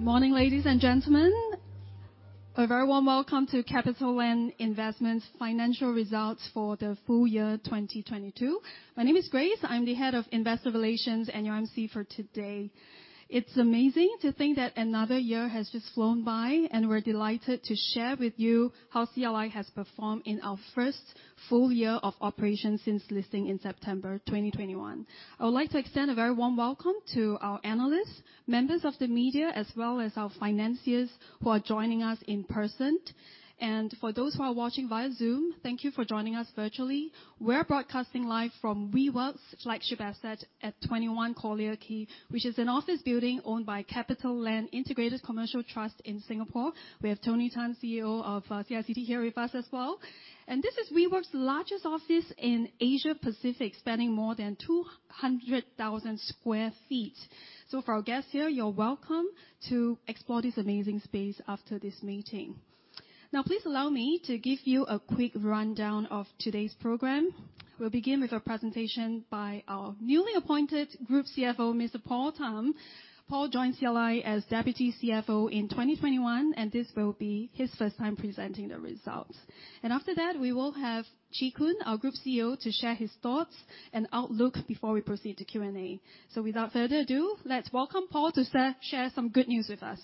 Morning, ladies and gentlemen. A very warm welcome to CapitaLand Investment's financial results for the full year 2022. My name is Grace. I'm the head of investor relations and your MC for today. It's amazing to think that another year has just flown by, and we're delighted to share with you how CLI has performed in our first full year of operations since listing in September 2021. I would like to extend a very warm welcome to our analysts, members of the media, as well as our financiers who are joining us in person. For those who are watching via Zoom, thank you for joining us virtually. We're broadcasting live from WeWork's flagship asset at 21 Collyer Quay, which is an office building owned by CapitaLand Integrated Commercial Trust in Singapore. We have Tony Tan, CEO of CICT here with us as well. This is WeWork's largest office in Asia Pacific, spanning more than 200,000 sq ft. For our guests here, you're welcome to explore this amazing space after this meeting. Now, please allow me to give you a quick rundown of today's program. We'll begin with a presentation by our newly appointed Group CFO, Mr. Paul Tham. Paul joined CLI as Deputy CFO in 2021, and this will be his first time presenting the results. After that, we will have Chee Koon, our Group CEO, to share his thoughts and outlook before we proceed to Q&A. Without further ado, let's welcome Paul to share some good news with us.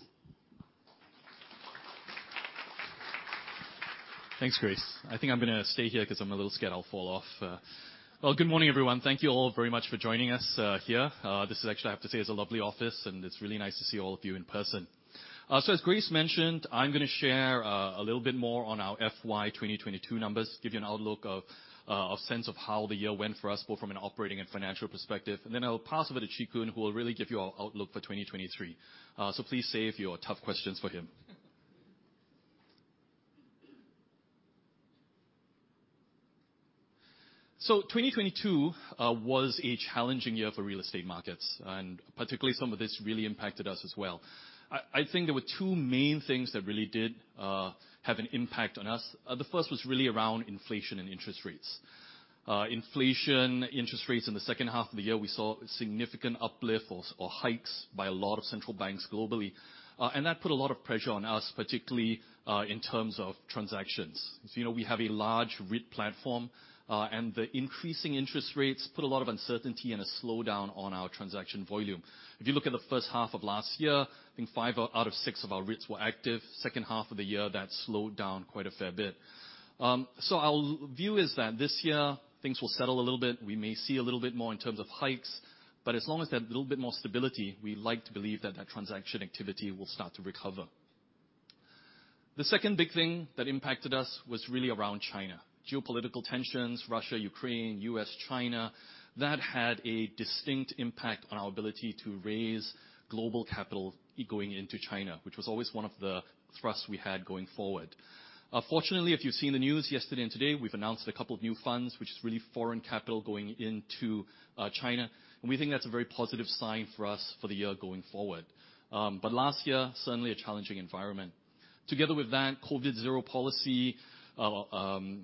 Thanks, Grace. I think I'm gonna stay here 'cause I'm a little scared I'll fall off. Well, good morning, everyone. Thank you all very much for joining us here. This is actually, I have to say, is a lovely office, and it's really nice to see all of you in person. As Grace mentioned, I'm gonna share a little bit more on our FY 2022 numbers, give you an outlook of a sense of how the year went for us, both from an operating and financial perspective. Then I'll pass over to Chee Koon, who will really give you our outlook for 2023. Please save your tough questions for him. 2022 was a challenging year for real estate markets, and particularly some of this really impacted us as well. I think there were two main things that really did have an impact on us. The first was really around inflation and interest rates. Inflation, interest rates in the second half of the year, we saw significant uplift or hikes by a lot of central banks globally. That put a lot of pressure on us, particularly in terms of transactions. As you know, we have a large REIT platform, and the increasing interest rates put a lot of uncertainty and a slowdown on our transaction volume. If you look at the first half of last year, I think five out of six of our REITs were active. Second half of the year, that slowed down quite a fair bit. Our view is that this year things will settle a little bit. We may see a little bit more in terms of hikes, but as long as there's a little bit more stability, we like to believe that that transaction activity will start to recover. The second big thing that impacted us was really around China. Geopolitical tensions, Russia, Ukraine, U.S., China, that had a distinct impact on our ability to raise global capital going into China, which was always one of the thrusts we had going forward. Fortunately, if you've seen the news yesterday and today, we've announced a couple of new funds, which is really foreign capital going into China. We think that's a very positive sign for us for the year going forward. Last year, certainly a challenging environment. Together with that, zero-COVID policy in China,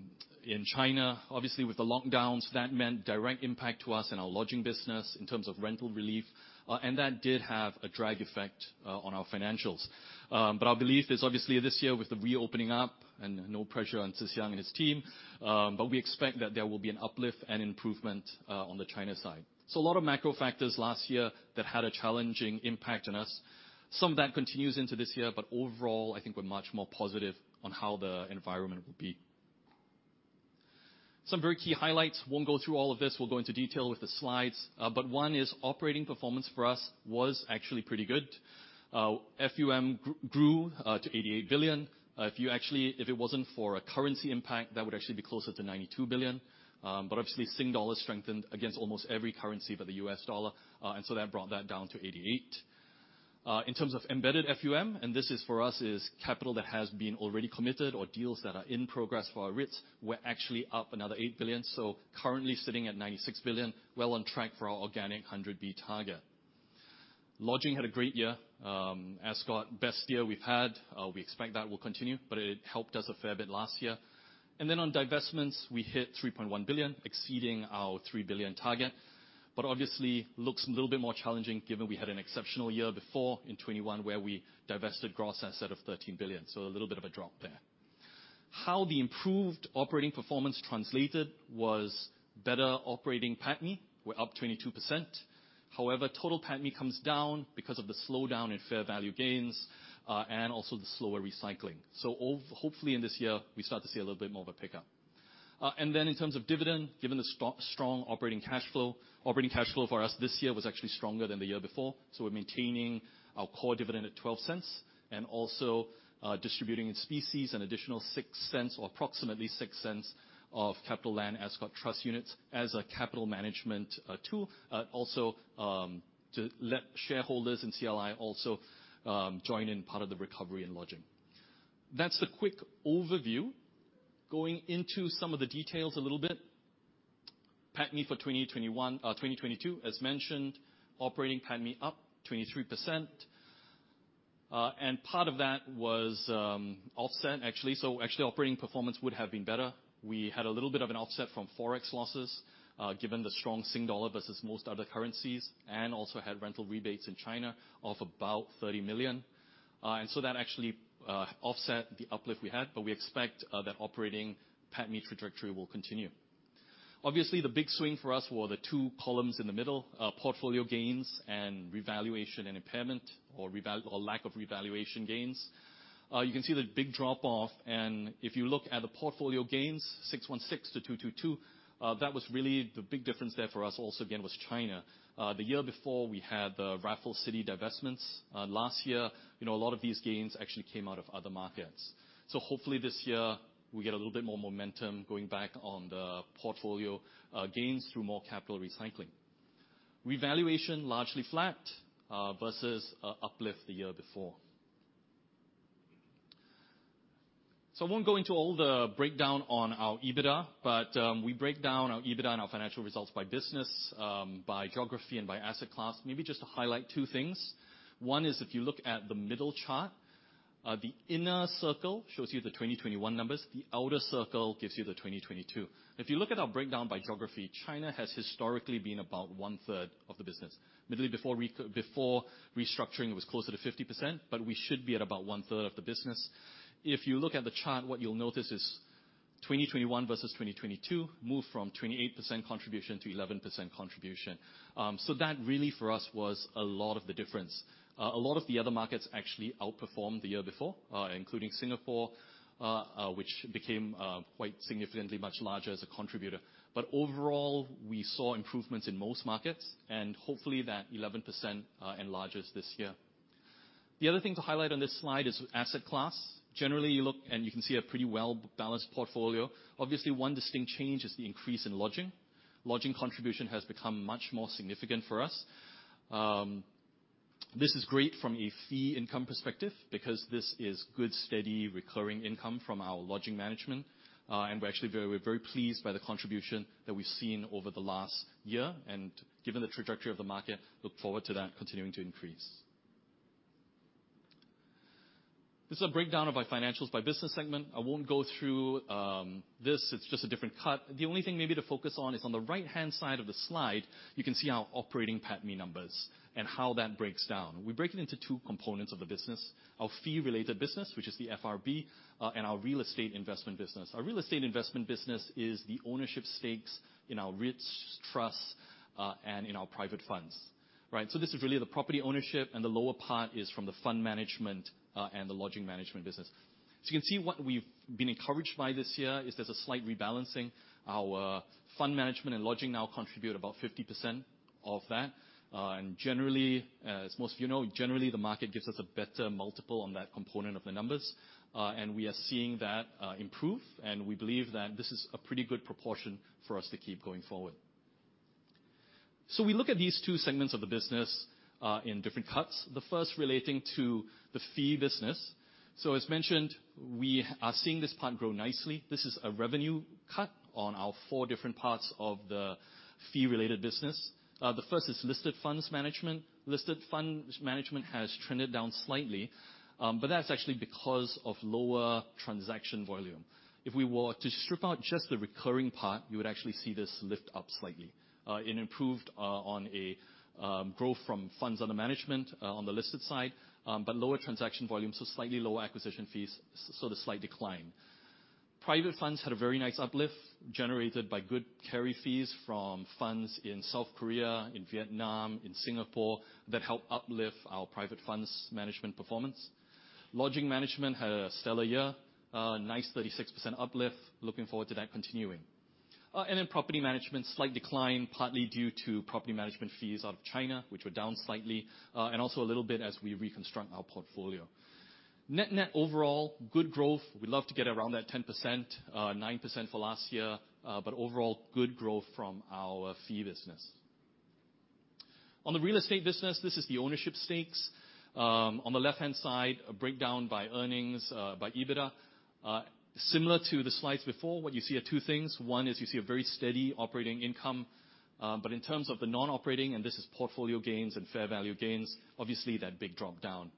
obviously with the lockdowns, that meant direct impact to us in our lodging business in terms of rental relief, and that did have a drag effect on our financials. Our belief is obviously this year with the reopening up and no pressure on Tze Shyang and his team, but we expect that there will be an uplift and improvement on the China side. A lot of macro factors last year that had a challenging impact on us. Some of that continues into this year, but overall, I think we're much more positive on how the environment will be. Some very key highlights. Won't go through all of this. We'll go into detail with the slides. One is operating performance for us was actually pretty good. FUM grew to 88 billion. If it wasn't for a currency impact, that would actually be closer to 92 billion. Obviously Sing Dollar strengthened against almost every currency but the U.S. dollar, so that brought that down to 88 billion. In terms of embedded FUM, this is for us is capital that has been already committed or deals that are in progress for our REITs. We're actually up another 8 billion, so currently sitting at 96 billion, well on track for our organic 100 billion target. Lodging had a great year. Ascott, best year we've had. We expect that will continue, but it helped us a fair bit last year. On divestments, we hit $3.1 billion, exceeding our $3 billion target, but obviously looks a little bit more challenging given we had an exceptional year before in 2021 where we divested gross asset of $13 billion. A little bit of a drop there. How the improved operating performance translated was better operating PATMI. We're up 22%. However, total PATMI comes down because of the slowdown in fair value gains and also the slower recycling. Hopefully in this year, we start to see a little bit more of a pickup. In terms of dividend, given the strong operating cash flow, operating cash flow for us this year was actually stronger than the year before, we're maintaining our core dividend at 0.12 and also distributing in species an additional 0.06 or approximately 0.06 of CapitaLand Ascott Trust units as a capital management tool, also to let shareholders in CLI also join in part of the recovery and lodging. That's the quick overview. Going into some of the details a little bit. PATMI for 2021, 2022, as mentioned, operating PATMI up 23%. And part of that was offset actually. Actually operating performance would have been better. We had a little bit of an offset from Forex losses, given the strong Sing Dollar versus most other currencies, and also had rental rebates in China of about 30 million. That actually offset the uplift we had, but we expect that operating PATMI trajectory will continue. Obviously, the big swing for us were the two columns in the middle, portfolio gains and revaluation and impairment, or lack of revaluation gains. You can see the big drop off, and if you look at the portfolio gains, 616-222, that was really the big difference there for us also again was China. The year before we had the Raffles City divestments. Last year, you know, a lot of these gains actually came out of other markets. Hopefully this year we get a little bit more momentum going back on the portfolio gains through more capital recycling. Revaluation largely flat versus a uplift the year before. I won't go into all the breakdown on our EBITDA, but we break down our EBITDA and our financial results by business, by geography, and by asset class. Maybe just to highlight two things. One is if you look at the middle chart, the inner circle shows you the 2021 numbers, the outer circle gives you the 2022. If you look at our breakdown by geography, China has historically been about 1/3 of the business. Mainly before restructuring, it was closer to 50%, but we should be at about 1/3 of the business. If you look at the chart, what you'll notice is 2021 versus 2022 moved from 28% contribution to 11% contribution. That really for us was a lot of the difference. A lot of the other markets actually outperformed the year before, including Singapore, which became quite significantly much larger as a contributor. Overall, we saw improvements in most markets, and hopefully that 11% enlarges this year. The other thing to highlight on this slide is asset class. Generally, you look, and you can see a pretty well-balanced portfolio. Obviously, one distinct change is the increase in lodging. Lodging contribution has become much more significant for us. This is great from a fee income perspective because this is good, steady, recurring income from our lodging management, and we're actually very pleased by the contribution that we've seen over the last year. Given the trajectory of the market, look forward to that continuing to increase. This is a breakdown of our financials by business segment. I won't go through this, it's just a different cut. The only thing maybe to focus on is on the right-hand side of the slide, you can see our operating PATMI numbers and how that breaks down. We break it into two components of the business, our fee-related business, which is the FRB, and our real estate investment business. Our real estate investment business is the ownership stakes in our REITs trusts, and in our private funds. Right? This is really the property ownership, and the lower part is from the fund management and the lodging management business. You can see what we've been encouraged by this year is there's a slight rebalancing. Our fund management and lodging now contribute about 50% of that. Generally, as most of you know, generally the market gives us a better multiple on that component of the numbers, and we are seeing that improve, and we believe that this is a pretty good proportion for us to keep going forward. We look at these two segments of the business in different cuts. The first relating to the fee business. As mentioned, we are seeing this part grow nicely. This is a revenue cut on our four different parts of the fee-related business. The first is listed funds management. Listed funds management has trended down slightly, but that's actually because of lower transaction volume. If we were to strip out just the recurring part, you would actually see this lift up slightly. It improved on a growth from funds under management on the listed side, but lower transaction volume, so slightly lower acquisition fees, so the slight decline. Private funds had a very nice uplift generated by good carry fees from funds in South Korea, in Vietnam, in Singapore that help uplift our private funds management performance. Lodging management had a stellar year, a nice 36% uplift. Looking forward to that continuing. Property management, slight decline, partly due to property management fees out of China, which were down slightly, and also a little bit as we reconstruct our portfolio. Net, net overall, good growth. We'd love to get around that 10%, 9% for last year, overall, good growth from our fee business. On the real estate business, this is the ownership stakes. On the left-hand side, a breakdown by earnings, by EBITDA. Similar to the slides before, what you see are two things. One is you see a very steady operating income, in terms of the non-operating, and this is portfolio gains and fair value gains, obviously that big drop down.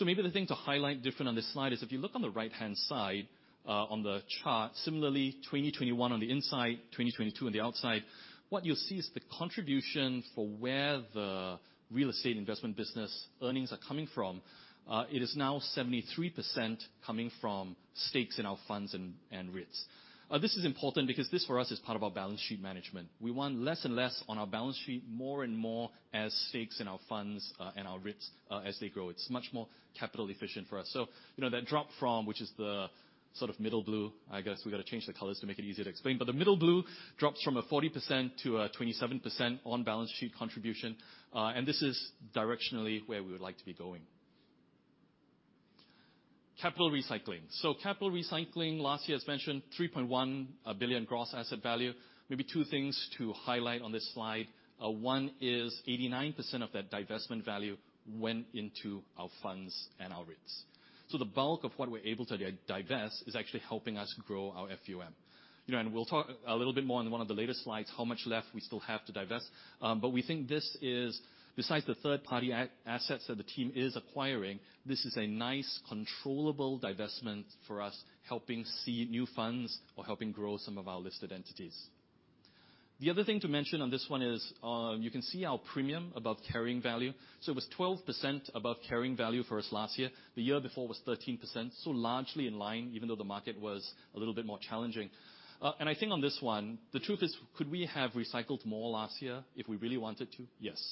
Maybe the thing to highlight different on this slide is if you look on the right-hand side, on the chart, similarly, 2021 on the inside, 2022 on the outside, what you'll see is the contribution for where the real estate investment business earnings are coming from. It is now 73% coming from stakes in our funds and REITs. This is important because this for us is part of our balance sheet management. We want less and less on our balance sheet, more and more as stakes in our funds and our REITs as they grow. It's much more capital efficient for us. You know, that drop from, which is the sort of middle blue, I guess we've got to change the colors to make it easier to explain. The middle blue drops from a 40% to a 27% on balance sheet contribution, and this is directionally where we would like to be going. Capital recycling. Capital recycling, last year as mentioned, 3.1 billion gross asset value. Maybe two things to highlight on this slide. One is 89% of that divestment value went into our funds and our REITs. The bulk of what we're able to divest is actually helping us grow our FUM. You know, we'll talk a little bit more on one of the later slides how much left we still have to divest. We think this is, besides the third-party assets that the team is acquiring, this is a nice controllable divestment for us, helping seed new funds or helping grow some of our listed entities. The other thing to mention on this one is, you can see our premium above carrying value. It was 12% above carrying value for us last year. The year before it was 13%, largely in line even though the market was a little bit more challenging. I think on this one, the truth is could we have recycled more last year if we really wanted to? Yes.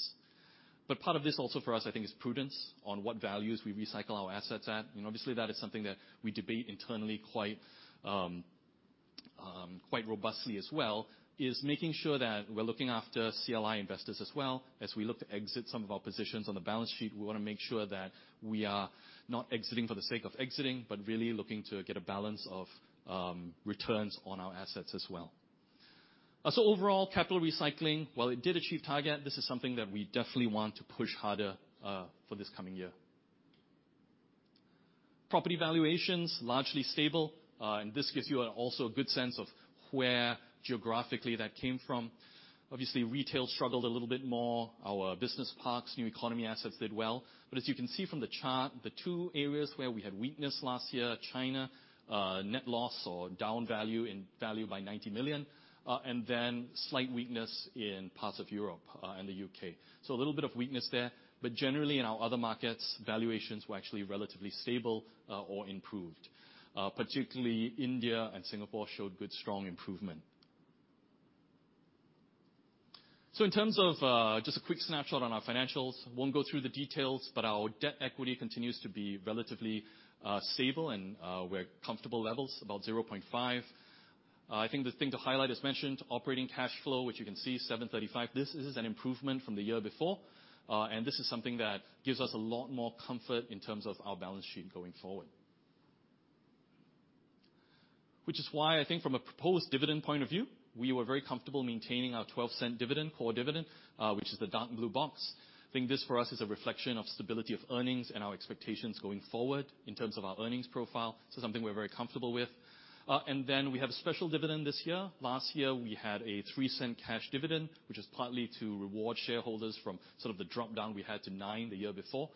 Part of this also for us I think is prudence on what values we recycle our assets at. You know, obviously, that is something that we debate internally quite robustly as well, is making sure that we're looking after CLI investors as well. As we look to exit some of our positions on the balance sheet, we wanna make sure that we are not exiting for the sake of exiting, but really looking to get a balance of returns on our assets as well. Overall, capital recycling, while it did achieve target, this is something that we definitely want to push harder for this coming year. Property valuations, largely stable. This gives you also a good sense of where geographically that came from. Obviously, retail struggled a little bit more. Our business parks, new economy assets did well. As you can see from the chart, the two areas where we had weakness last year, China, net loss or down value in value by 90 million, and then slight weakness in parts of Europe and the U.K.. A little bit of weakness there, but generally in our other markets, valuations were actually relatively stable or improved. Particularly India and Singapore showed good strong improvement. In terms of just a quick snapshot on our financials. Won't go through the details, but our Debt to Equity continues to be relatively stable and we're at comfortable levels, about 0.5. I think the thing to highlight, as mentioned, operating cash flow, which you can see, 735. This is an improvement from the year before. This is something that gives us a lot more comfort in terms of our balance sheet going forward. Which is why I think from a proposed dividend point of view, we were very comfortable maintaining our 0.12 dividend, core dividend, which is the dark blue box. Think this for us is a reflection of stability of earnings and our expectations going forward in terms of our earnings profile, so something we're very comfortable with. We have a special dividend this year. Last year, we had a 0.03 cash dividend, which is partly to reward shareholders from sort of the drop-down we had to 0.09 the year before.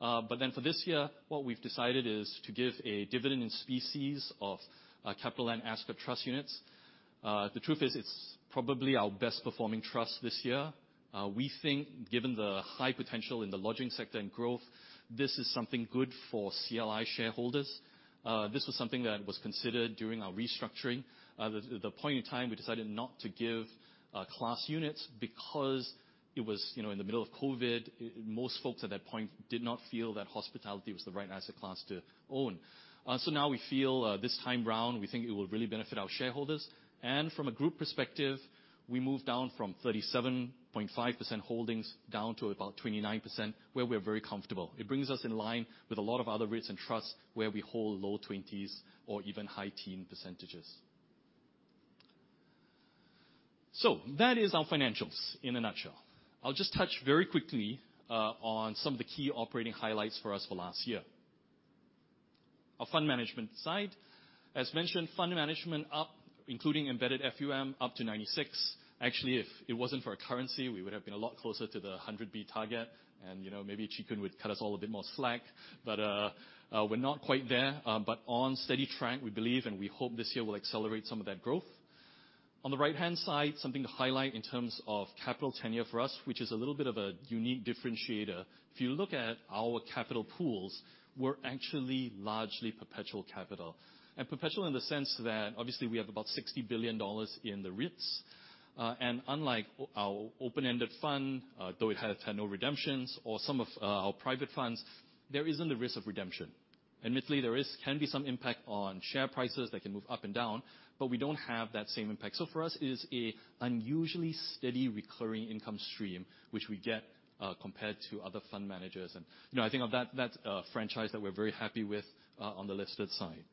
For this year, what we've decided is to give a dividend-in-specie of CapitaLand Ascott Trust units. The truth is, it's probably our best performing trust this year. We think given the high potential in the lodging sector and growth, this is something good for CapitaLand Investment shareholders. This was something that was considered during our restructuring. The point in time we decided not to give class units because it was, you know, in the middle of COVID, most folks at that point did not feel that hospitality was the right asset class to own. Now we feel this time round, we think it will really benefit our shareholders. From a group perspective, we moved down from 37.5% holdings down to about 29%, where we're very comfortable. It brings us in line with a lot of other REITs and trusts where we hold low 20s or even high teen percentages. That is our financials in a nutshell. I'll just touch very quickly on some of the key operating highlights for us for last year. Our fund management side. As mentioned, fund management up, including embedded FUM, up to 96. Actually, if it wasn't for our currency, we would have been a lot closer to the 100B target. You know, maybe Chee Koon would cut us all a bit more slack. We're not quite there, but on steady track, we believe, and we hope this year will accelerate some of that growth. On the right-hand side, something to highlight in terms of capital tenure for us, which is a little bit of a unique differentiator. If you look at our capital pools, we're actually largely perpetual capital. Perpetual in the sense that obviously we have about 60 billion dollars in the REITs. Unlike our open-ended fund, though it had no redemptions or some of our private funds, there isn't a risk of redemption. Admittedly, there can be some impact on share prices that can move up and down, but we don't have that same impact. For us it is a unusually steady recurring income stream, which we get, compared to other fund managers. You know, I think of that franchise that we're very happy with, on the listed side.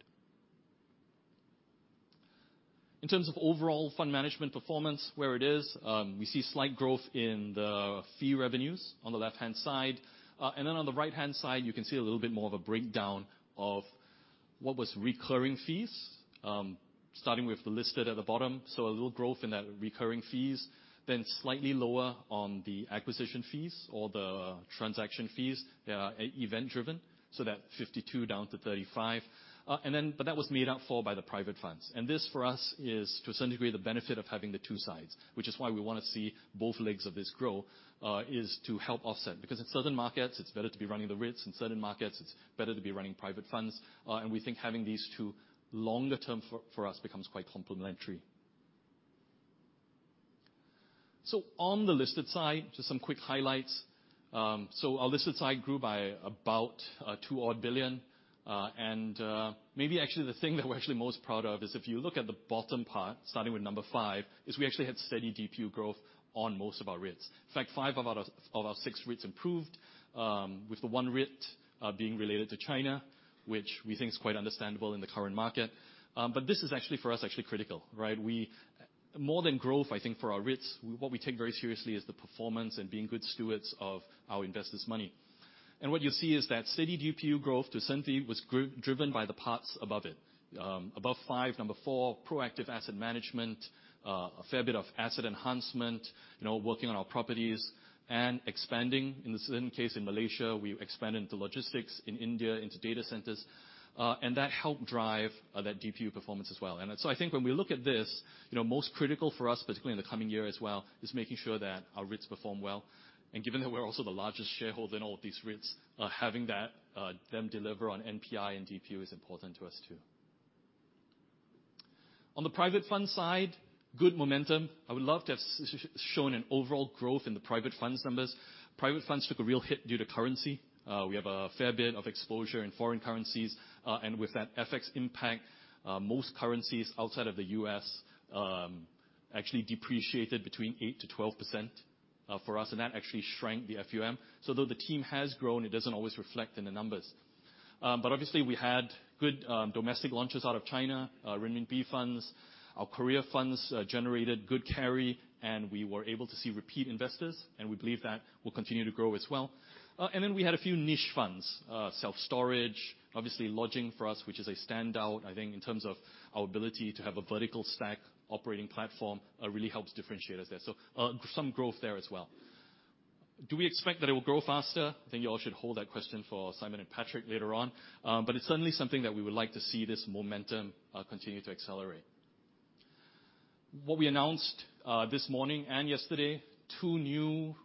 In terms of overall fund management performance, where it is, we see slight growth in the fee revenues on the left-hand side. On the right-hand side, you can see a little bit more of a breakdown of what was recurring fees, starting with the listed at the bottom. A little growth in that recurring fees. Slightly lower on the acquisition fees or the transaction fees. They are event driven, that 52 down to 35. That was made up for by the private funds. This for us is to a certain degree, the benefit of having the two sides, which is why we wanna see both legs of this grow, is to help offset. Because in certain markets, it's better to be running the REITs. In certain markets, it's better to be running private funds. We think having these two longer term for us becomes quite complementary. On the listed side, just some quick highlights. Our listed side grew by about 2 billion. Maybe actually the thing that we're actually most proud of is if you look at the bottom part, starting with number five, we actually had steady DPU growth on most of our REITs. In fact, five of our six REITs improved, with the one REIT being related to China, which we think is quite understandable in the current market. This is actually for us actually critical, right? More than growth, I think for our REITs, what we take very seriously is the performance and being good stewards of our investors' money. What you'll see is that steady DPU growth to cents per unit was driven by the parts above it. Above five, number four, proactive asset management, a fair bit of asset enhancement, you know, working on our properties and expanding. In certain case in Malaysia, we expanded into logistics, in India into data centers. That helped drive that DPU performance as well. I think when we look at this, you know, most critical for us, particularly in the coming year as well, is making sure that our REITs perform well. Given that we're also the largest shareholder in all of these REITs, having them deliver on NPI and DPU is important to us too. On the private fund side, good momentum. I would love to have shown an overall growth in the private funds numbers. Private funds took a real hit due to currency. We have a fair bit of exposure in foreign currencies. With that FX impact, most currencies outside of the U.S. actually depreciated between 8%-12% for us, and that actually shrank the FUM. Though the team has grown, it doesn't always reflect in the numbers. Obviously, we had good domestic launches out of China, renminbi funds. Our Korea funds generated good carry, and we were able to see repeat investors, and we believe that will continue to grow as well. Then we had a few niche funds, self-storage, obviously lodging for us, which is a standout, I think, in terms of our ability to have a vertical stack operating platform, really helps differentiate us there. Some growth there as well. Do we expect that it will grow faster? I think you all should hold that question for Simon and Patrick later on. It's certainly something that we would like to see this momentum continue to accelerate. What we announced this morning and yesterday, two new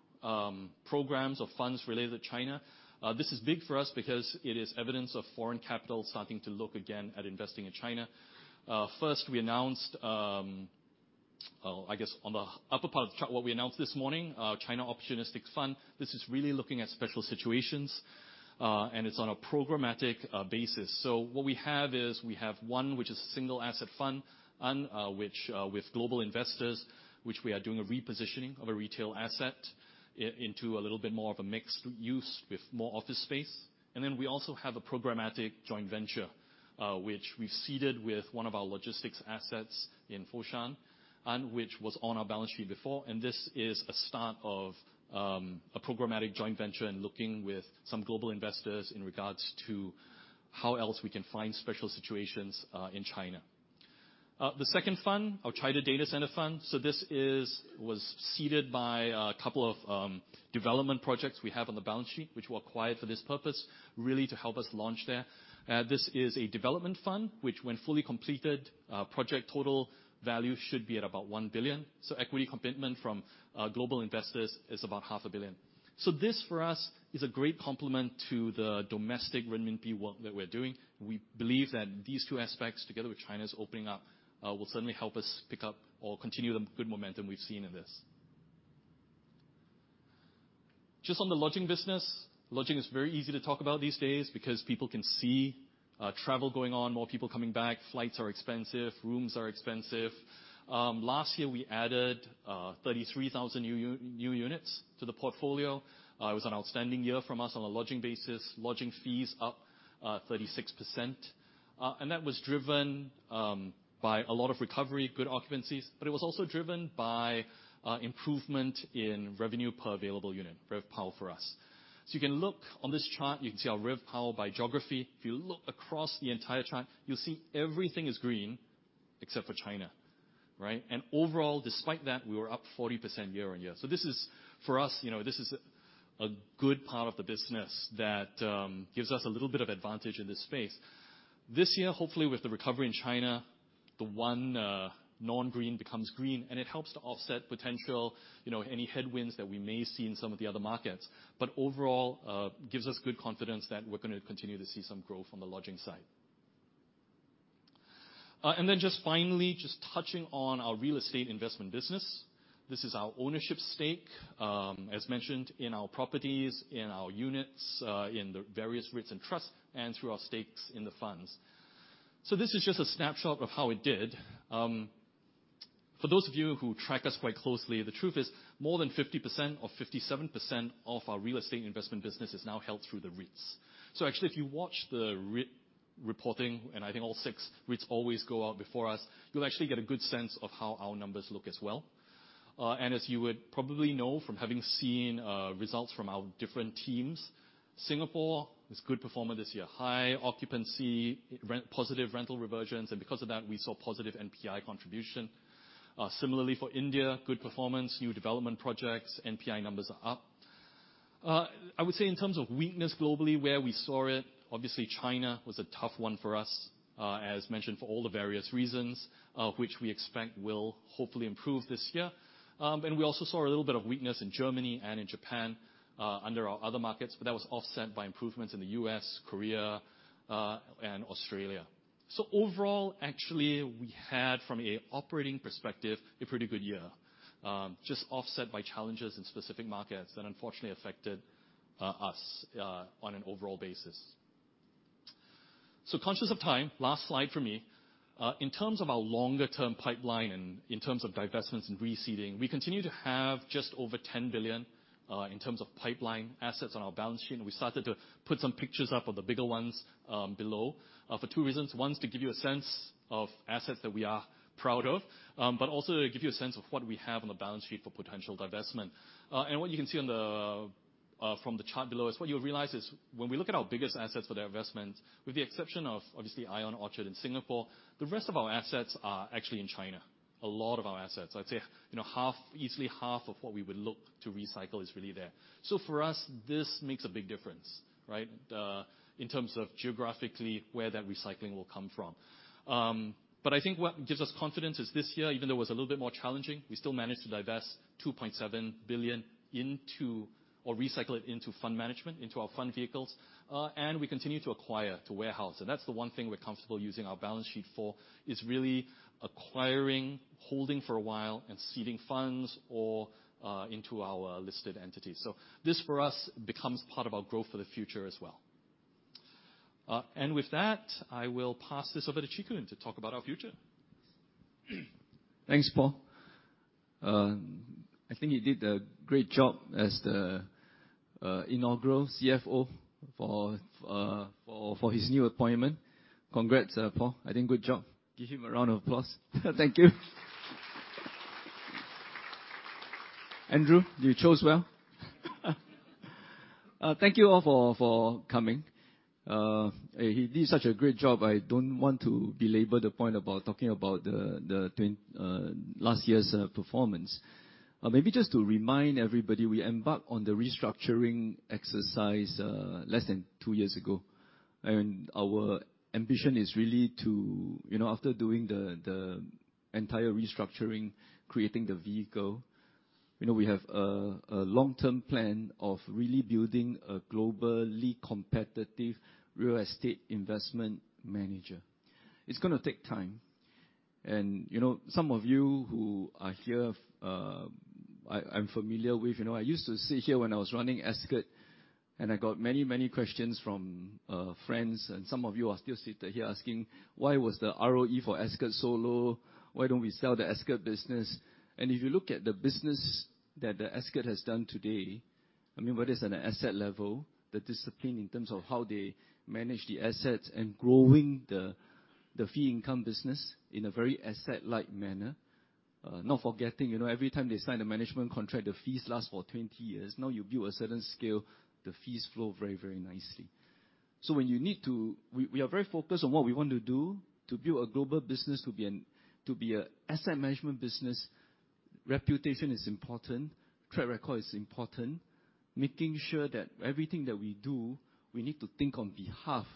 programs of funds related to China. This is big for us because it is evidence of foreign capital starting to look again at investing in China. First, we announced, I guess on the upper part of what we announced this morning, our China Opportunistic Fund. This is really looking at special situations, and it's on a programmatic basis. What we have is we have one which is single asset fund, and which with global investors, which we are doing a repositioning of a retail asset into a little bit more of a mixed use with more office space. We also have a programmatic joint venture, which we've seeded with one of our logistics assets in Foshan, and which was on our balance sheet before. This is a start of a programmatic joint venture and looking with some global investors in regards to how else we can find special situations in China. The second fund, our China Data Center Fund. This was seeded by a couple of development projects we have on the balance sheet, which were acquired for this purpose, really to help us launch there. This is a development fund which when fully completed, project total value should be at about 1 billion. Equity commitment from global investors is about half a billion. This, for us, is a great complement to the domestic renminbi work that we're doing. We believe that these two aspects, together with China's opening up, will certainly help us pick up or continue the good momentum we've seen in this. Just on the lodging business. Lodging is very easy to talk about these days because people can see travel going on, more people coming back, flights are expensive, rooms are expensive. Last year, we added 33,000 new units to the portfolio. It was an outstanding year from us on a lodging basis. Lodging fees up 36%. That was driven by a lot of recovery, good occupancies, but it was also driven by improvement in revenue per available unit, RevPAR for us. You can look on this chart, you can see our RevPAR by geography. If you look across the entire chart, you'll see everything is green except for China, right? Overall, despite that, we were up 40% year on year. This is, for us, you know, this is a good part of the business that gives us a little bit of advantage in this space. This year, hopefully with the recovery in China, the one non-green becomes green, and it helps to offset potential, you know, any headwinds that we may see in some of the other markets. Overall, gives us good confidence that we're gonna continue to see some growth on the lodging side. Finally, just touching on our real estate investment business. This is our ownership stake, as mentioned in our properties, in our units, in the various REITs and trusts, and through our stakes in the funds. This is just a snapshot of how it did. For those of you who track us quite closely, the truth is more than 50% or 57% of our real estate investment business is now held through the REITs. Actually, if you watch the REIT reporting, and I think all 6 REITs always go out before us, you'll actually get a good sense of how our numbers look as well. As you would probably know from having seen results from our different teams, Singapore is good performer this year. High occupancy, positive rental reversions, and because of that, we saw positive NPI contribution. Similarly for India, good performance, new development projects, NPI numbers are up. I would say in terms of weakness globally, where we saw it, obviously China was a tough one for us, as mentioned, for all the various reasons, which we expect will hopefully improve this year. We also saw a little bit of weakness in Germany and in Japan, under our other markets, but that was offset by improvements in the U.S., Korea, and Australia. Overall, actually, we had, from an operating perspective, a pretty good year, just offset by challenges in specific markets that unfortunately affected us on an overall basis. Conscious of time, last slide for me. In terms of our longer-term pipeline and in terms of divestments and reseeding, we continue to have just over 10 billion in terms of pipeline assets on our balance sheet. We started to put some pictures up of the bigger ones, below, for two reasons. One is to give you a sense of assets that we are proud of, but also to give you a sense of what we have on the balance sheet for potential divestment. What you can see from the chart below is what you'll realize is when we look at our biggest assets for their investment, with the exception of obviously ION Orchard in Singapore, the rest of our assets are actually in China. A lot of our assets. I'd say, you know, easily half of what we would look to recycle is really there. For us, this makes a big difference, right? in terms of geographically where that recycling will come from. I think what gives us confidence is this year, even though it was a little bit more challenging, we still managed to divest 2.7 billion into or recycle it into fund management, into our fund vehicles. We continue to acquire, to warehouse. That's the one thing we're comfortable using our balance sheet for, is really acquiring, holding for a while, and seeding funds or into our listed entities. This, for us, becomes part of our growth for the future as well. With that, I will pass this over to Chee Koon to talk about our future. Thanks, Paul. I think you did a great job as the inaugural CFO for his new appointment. Congrats, Paul. I think good job. Give him a round of applause. Thank you. Andrew, you chose well. Thank you all for coming. He did such a great job I don't want to belabor the point about talking about last year's performance. Maybe just to remind everybody, we embarked on the restructuring exercise less than two years ago. Our ambition is really to, you know, after doing the entire restructuring, creating the vehicle, you know, we have a long-term plan of really building a globally competitive real estate investment manager. It's gonna take time. You know, some of you who are here, I'm familiar with. You know, I used to sit here when I was running Ascott, and I got many, many questions from friends, and some of you are still seated here asking, "Why was the ROE for Ascott so low? Why don't we sell the Ascott business?" If you look at the business that the Ascott has done today, I mean, whether it's on an asset-level, the discipline in terms of how they manage the assets and growing the fee income business in a very asset-like manner. Not forgetting, you know, every time they sign a management contract, the fees last for 20 years. Now you build a certain scale, the fees flow very, very nicely. When you need to... We are very focused on what we want to do to build a global business to be a asset management business. Reputation is important. Track record is important. Making sure that everything that we do, we need to think on behalf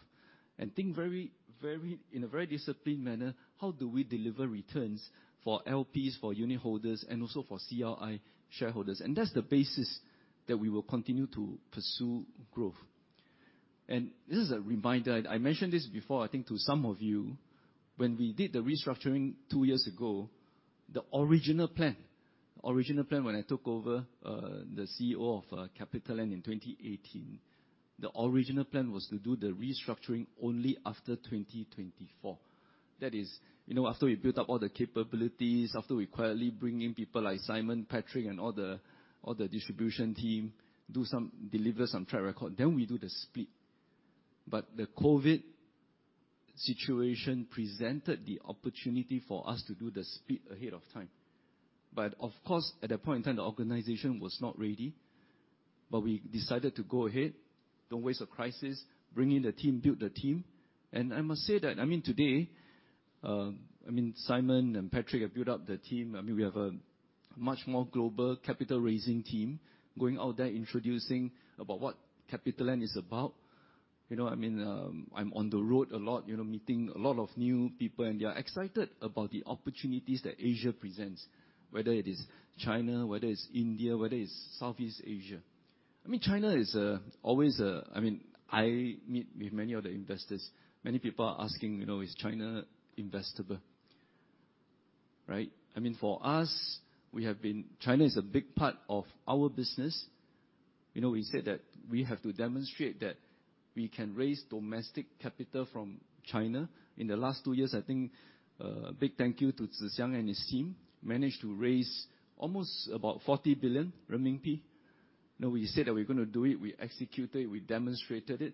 and think very, very, in a very disciplined manner, how do we deliver returns for LPs, for unitholders, and also for CLI shareholders? That's the basis that we will continue to pursue growth. This is a reminder, I mentioned this before, I think, to some of you. When we did the restructuring two years ago, the original plan, original plan when I took over, the CEO of CapitaLand in 2018, the original plan was to do the restructuring only after 2024. That is, you know, after we built up all the capabilities, after we quietly bring in people like Simon, Patrick, and all the, all the distribution team, deliver some track record, then we do the split. The COVID situation presented the opportunity for us to do the split ahead of time. Of course, at that point in time, the organization was not ready. We decided to go ahead, don't waste a crisis, bring in the team, build the team. I must say that, I mean, today, I mean, Simon and Patrick have built up the team. I mean, we have a much more global capital-raising team going out there introducing about what CapitaLand is about. You know what I mean? I'm on the road a lot, you know, meeting a lot of new people, and they are excited about the opportunities that Asia presents, whether it is China, whether it's India, whether it's Southeast Asia. I mean, China is always a... I mean, I meet with many of the investors. Many people are asking, "You know, is China investable?" Right? I mean, for us, China is a big part of our business. You know, we said that we have to demonstrate that we can raise domestic capital from China. In the last two years, I think, big thank you to Tze Shyang and his team, managed to raise almost about 40 billion renminbi. We said that we're gonna do it, we execute it, we demonstrated it.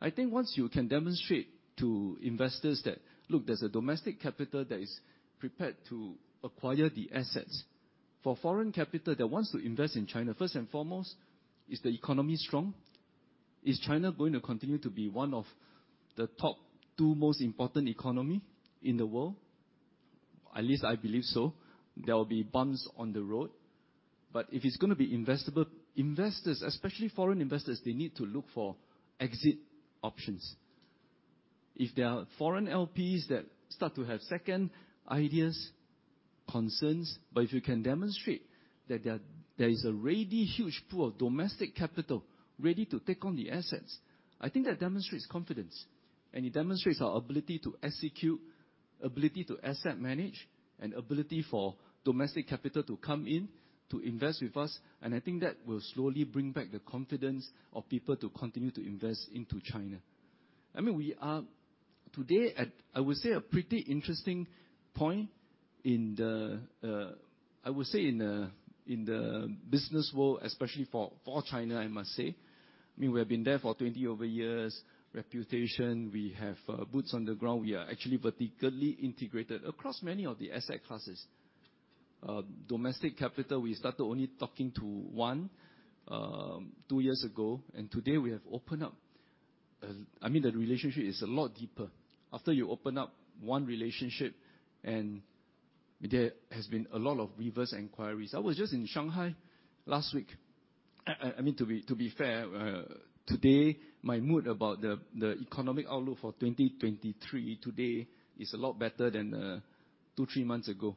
I think once you can demonstrate to investors that, look, there's a domestic capital that is prepared to acquire the assets, for foreign capital that wants to invest in China, first and foremost, is the economy strong? Is China going to continue to be one of the top two most important economy in the world? At least I believe so. There will be bumps on the road, but if it's gonna be investable, investors, especially foreign investors, they need to look for exit options. If there are foreign LPs that start to have second ideas, concerns, but if you can demonstrate that there is already huge pool of domestic capital ready to take on the assets, I think that demonstrates confidence. It demonstrates our ability to execute, ability to asset manage, and ability for domestic capital to come in to invest with us. I think that will slowly bring back the confidence of people to continue to invest into China. I mean, we are today at, I would say, a pretty interesting point in the, I would say in the, in the business world, especially for China, I must say. I mean, we have been there for 20 over years. Reputation, we have boots on the ground. We are actually vertically integrated across many of the asset classes. Domestic capital, we started only talking to one, two years ago. Today we have opened up, I mean, the relationship is a lot deeper. After you open up one relationship and there has been a lot of reverse inquiries. I was just in Shanghai last week. I mean, to be, to be fair, today my mood about the economic outlook for 2023 today is a lot better than two, three months ago.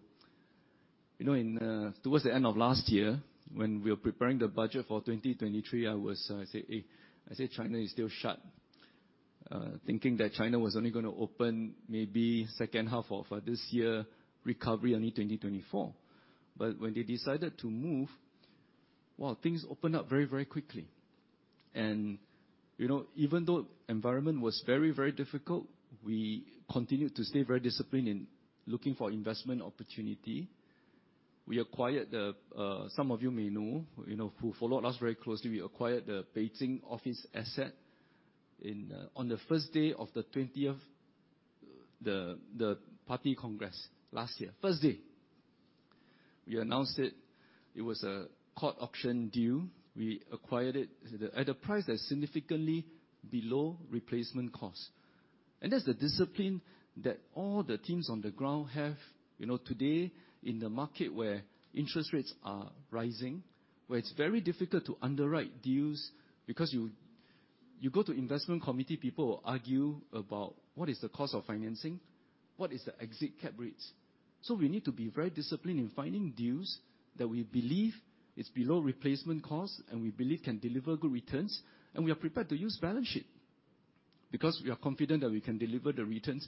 You know, in, towards the end of last year when we were preparing the budget for 2023, I was, I say, "Eh," I say, "China is still shut." Thinking that China was only gonna open maybe second half of this year, recovery only 2024. When they decided to move, well, things opened up very, very quickly. You know, even though environment was very, very difficult, we continued to stay very disciplined in looking for investment opportunity. We acquired, some of you may know, you know, who followed us very closely, we acquired the Beijing office asset on the first day of the 20th Party Congress last year. First day. We announced it. It was a court auction deal. We acquired it at a price that's significantly below replacement cost. That's the discipline that all the teams on the ground have. You know, today in the market where interest rates are rising, where it's very difficult to underwrite deals because you go to investment committee, people will argue about what is the cost of financing, what is the exit cap rates. We need to be very disciplined in finding deals that we believe is below replacement cost and we believe can deliver good returns. We are prepared to use balance sheet, because we are confident that we can deliver the returns.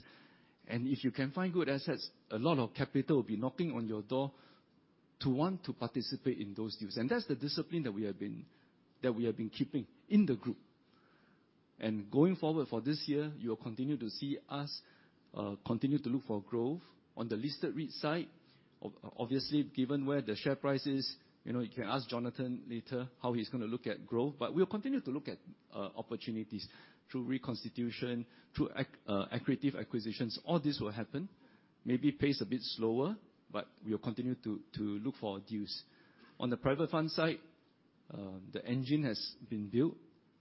If you can find good assets, a lot of capital will be knocking on your door to want to participate in those deals. That's the discipline that we have been keeping in the group. Going forward for this year, you'll continue to see us continue to look for growth on the listed REIT side. Obviously, given where the share price is, you know, you can ask Jonathan later how he's gonna look at growth. We'll continue to look at opportunities through reconstitution, through accretive acquisitions. All this will happen. Maybe pace a bit slower, but we'll continue to look for deals. On the private fund side, the engine has been built.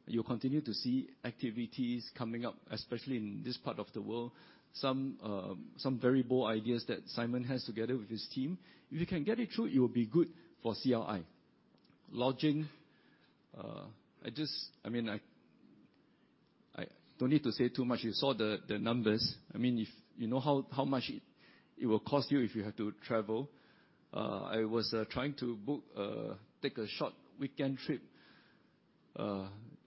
You'll continue to see activities coming up, especially in this part of the world. Some very bold ideas that Simon has together with his team. If you can get it through, it will be good for CLI. Lodging, I mean, I don't need to say too much. You saw the numbers. I mean, if you know how much it will cost you if you have to travel. I was trying to book, take a short weekend trip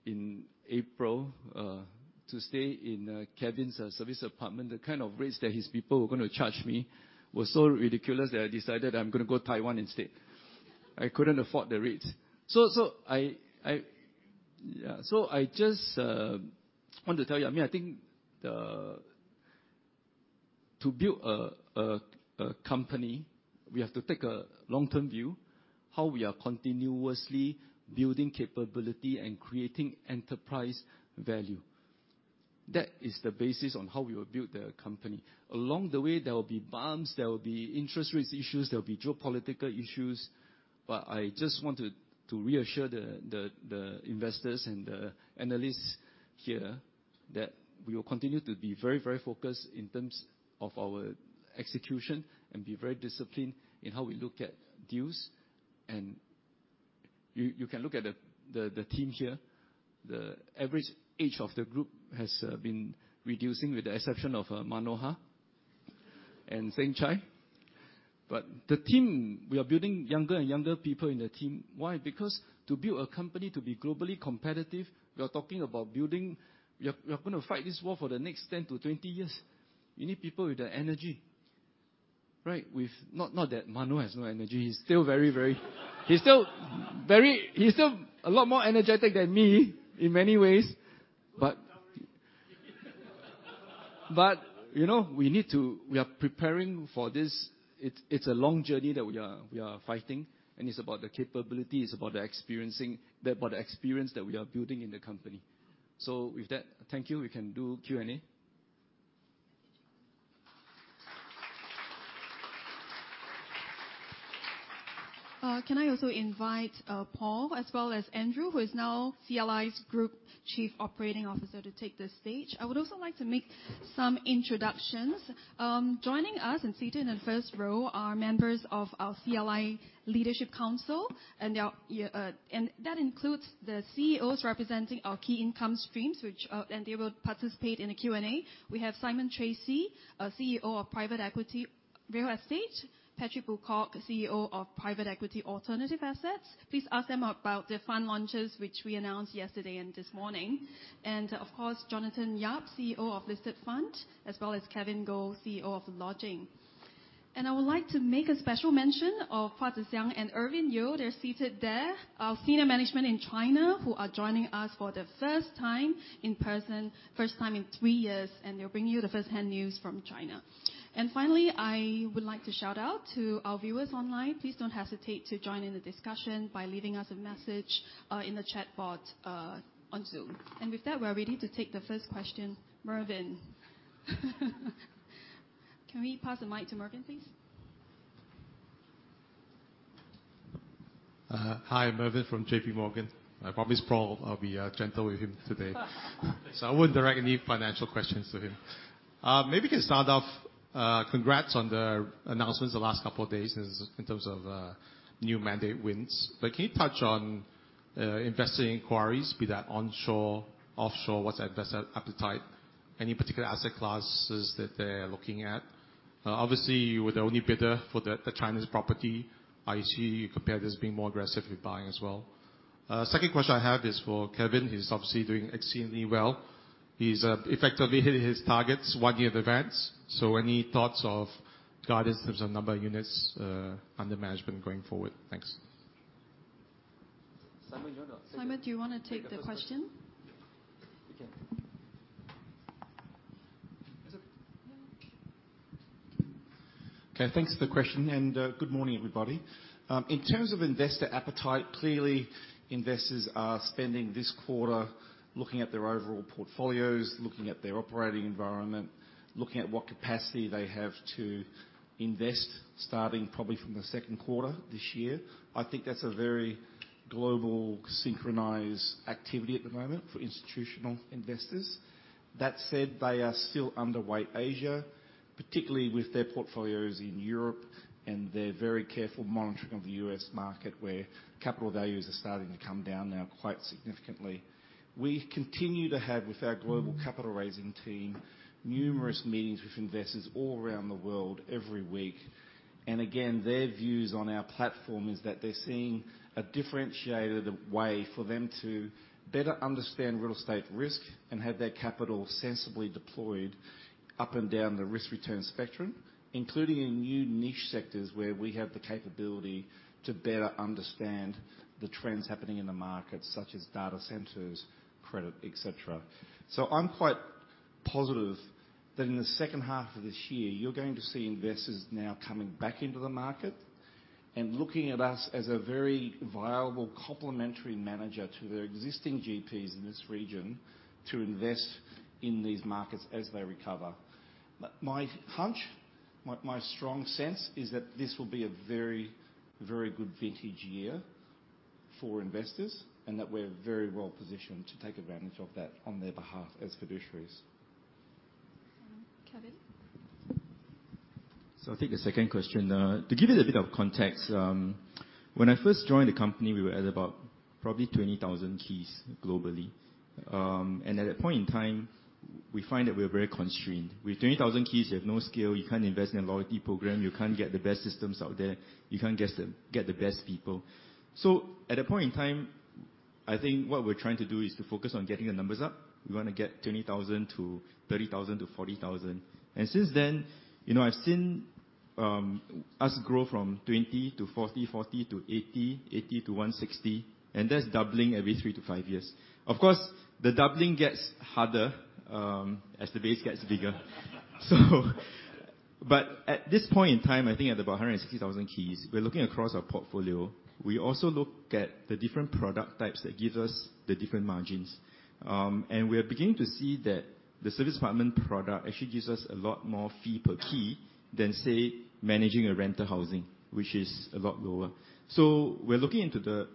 in April, to stay in Kevin's service apartment. The kind of rates that his people were gonna charge me was so ridiculous that I decided I'm gonna go Taiwan instead. I couldn't afford the rates. I just want to tell you, I mean, I think to build a company, we have to take a long-term view, how we are continuously building capability and creating enterprise value. That is the basis on how we will build the company. Along the way, there will be bumps, there will be interest rates issues, there will be geopolitical issues. I just want to reassure the investors and the analysts here that we will continue to be very focused in terms of our execution and be very disciplined in how we look at deals. You can look at the team here. The average age of the group has been reducing with the exception of Manohar and Seng Chai. The team, we are building younger and younger people in the team. Why? Because to build a company to be globally competitive, we are talking about building. We are gonna fight this war for the next 10-20 years. You need people with the energy, right? With. Not that Manu has no energy. He's still very. He's still very, he's still a lot more energetic than me in many ways. You know, we need to. We are preparing for this. It's a long journey that we are fighting. It's about the capability, it's about the experiencing, the experience that we are building in the company. With that, thank you. We can do Q&A. Can I also invite Paul, as well as Andrew, who is now CLI's Group Chief Operating Officer, to take the stage? I would also like to make some introductions. Joining us and seated in the first row are members of our CLI Leadership Council, and they are, and that includes the CEOs representing our key income streams, which, and they will participate in the Q&A. We have Simon Treacy, our CEO of Private Equity Real Estate. Patrick Boocock, CEO of Private Equity Alternative Assets. Please ask them about their fund launches, which we announced yesterday and this morning. Of course, Jonathan Yap, CEO of Listed Funds, as well as Kevin Goh, CEO of Lodging. I would like to make a special mention of Puah Tze Shyang and Ervin Yeo. They're seated there. Our senior management in China, who are joining us for the first time in person, first time in three years, and they'll bring you the first-hand news from China. Finally, I would like to shout out to our viewers online. Please don't hesitate to join in the discussion by leaving us a message in the chatbot on Zoom. With that, we are ready to take the first question. Mervin. Can we pass the mic to Mervin, please? Hi, I'm Mervin from JPMorgan. I promised Paul I'll be gentle with him today. I wouldn't direct any financial questions to him. Maybe we can start off, congrats on the announcements the last couple of days in terms of new mandate wins. Can you touch on investor inquiries, be that onshore, offshore, what's investor appetite? Any particular asset classes that they're looking at? Obviously you were the only bidder for the Chinese property, IE compared as being more aggressive with buying as well. Second question I have is for Kevin. He's obviously doing exceedingly well. He's effectively hitting his targets one year in advance. Any thoughts of guidance in terms of number of units under management going forward? Thanks. Simon, do you wanna take the question? You can. No. Okay. Thanks for the question, good morning, everybody. In terms of investor appetite, clearly, investors are spending this quarter looking at their overall portfolios, looking at their operating environment, looking at what capacity they have to invest, starting probably from the second quarter this year. I think that's a very global synchronized activity at the moment for institutional investors. That said, they are still underweight Asia, particularly with their portfolios in Europe and their very careful monitoring of the U.S. market, where capital values are starting to come down now quite significantly. We continue to have, with our global capital raising team, numerous meetings with investors all around the world every week. Again, their views on our platform is that they're seeing a differentiated way for them to better understand real estate risk and have their capital sensibly deployed up and down the risk-return spectrum, including in new niche sectors where we have the capability to better understand the trends happening in the market, such as data centers, credit, et cetera. I'm quite positive that in the second half of this year, you're going to see investors now coming back into the market and looking at us as a very viable complementary manager to their existing GPs in this region to invest in these markets as they recover. My hunch, my strong sense is that this will be a very, very good vintage year for investors, and that we're very well positioned to take advantage of that on their behalf as fiduciaries. Kevin? I'll take the second question. To give it a bit of context, when I first joined the company, we were at about probably 20,000 keys globally. At that point in time, we find that we're very constrained. With 20,000 keys, you have no scale, you can't invest in a loyalty program, you can't get the best systems out there, you can't get the best people. At that point in time, I think what we're trying to do is to focus on getting the numbers up. We wanna get 20,000 to 30,000 to 40,000. Since then, you know, I've seen us grow from 20 to 40 to 80 to 160, and that's doubling every 3-5 years. Of course, the doubling gets harder as the base gets bigger. At this point in time, I think at about 160,000 keys, we're looking across our portfolio. We also look at the different product types that gives us the different margins. We are beginning to see that the service apartment product actually gives us a lot more fee per key than, say, managing a rental housing, which is a lot lower. We're looking into the,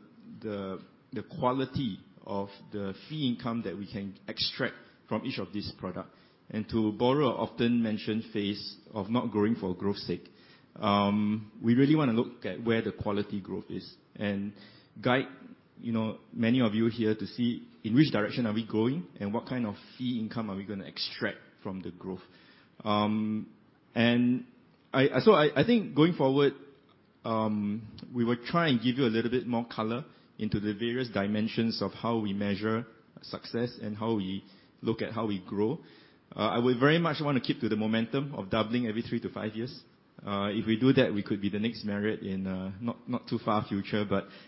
the quality of the fee income that we can extract from each of these product. To borrow an often mentioned phrase of not growing for growth's sake, we really wanna look at where the quality growth is and guide, you know, many of you here to see in which direction are we growing and what kind of fee income are we gonna extract from the growth. I think going forward, we will try and give you a little bit more color into the various dimensions of how we measure success and how we look at how we grow. I would very much wanna keep to the momentum of doubling every 3-5 years. If we do that, we could be the next Marriott in not too far future.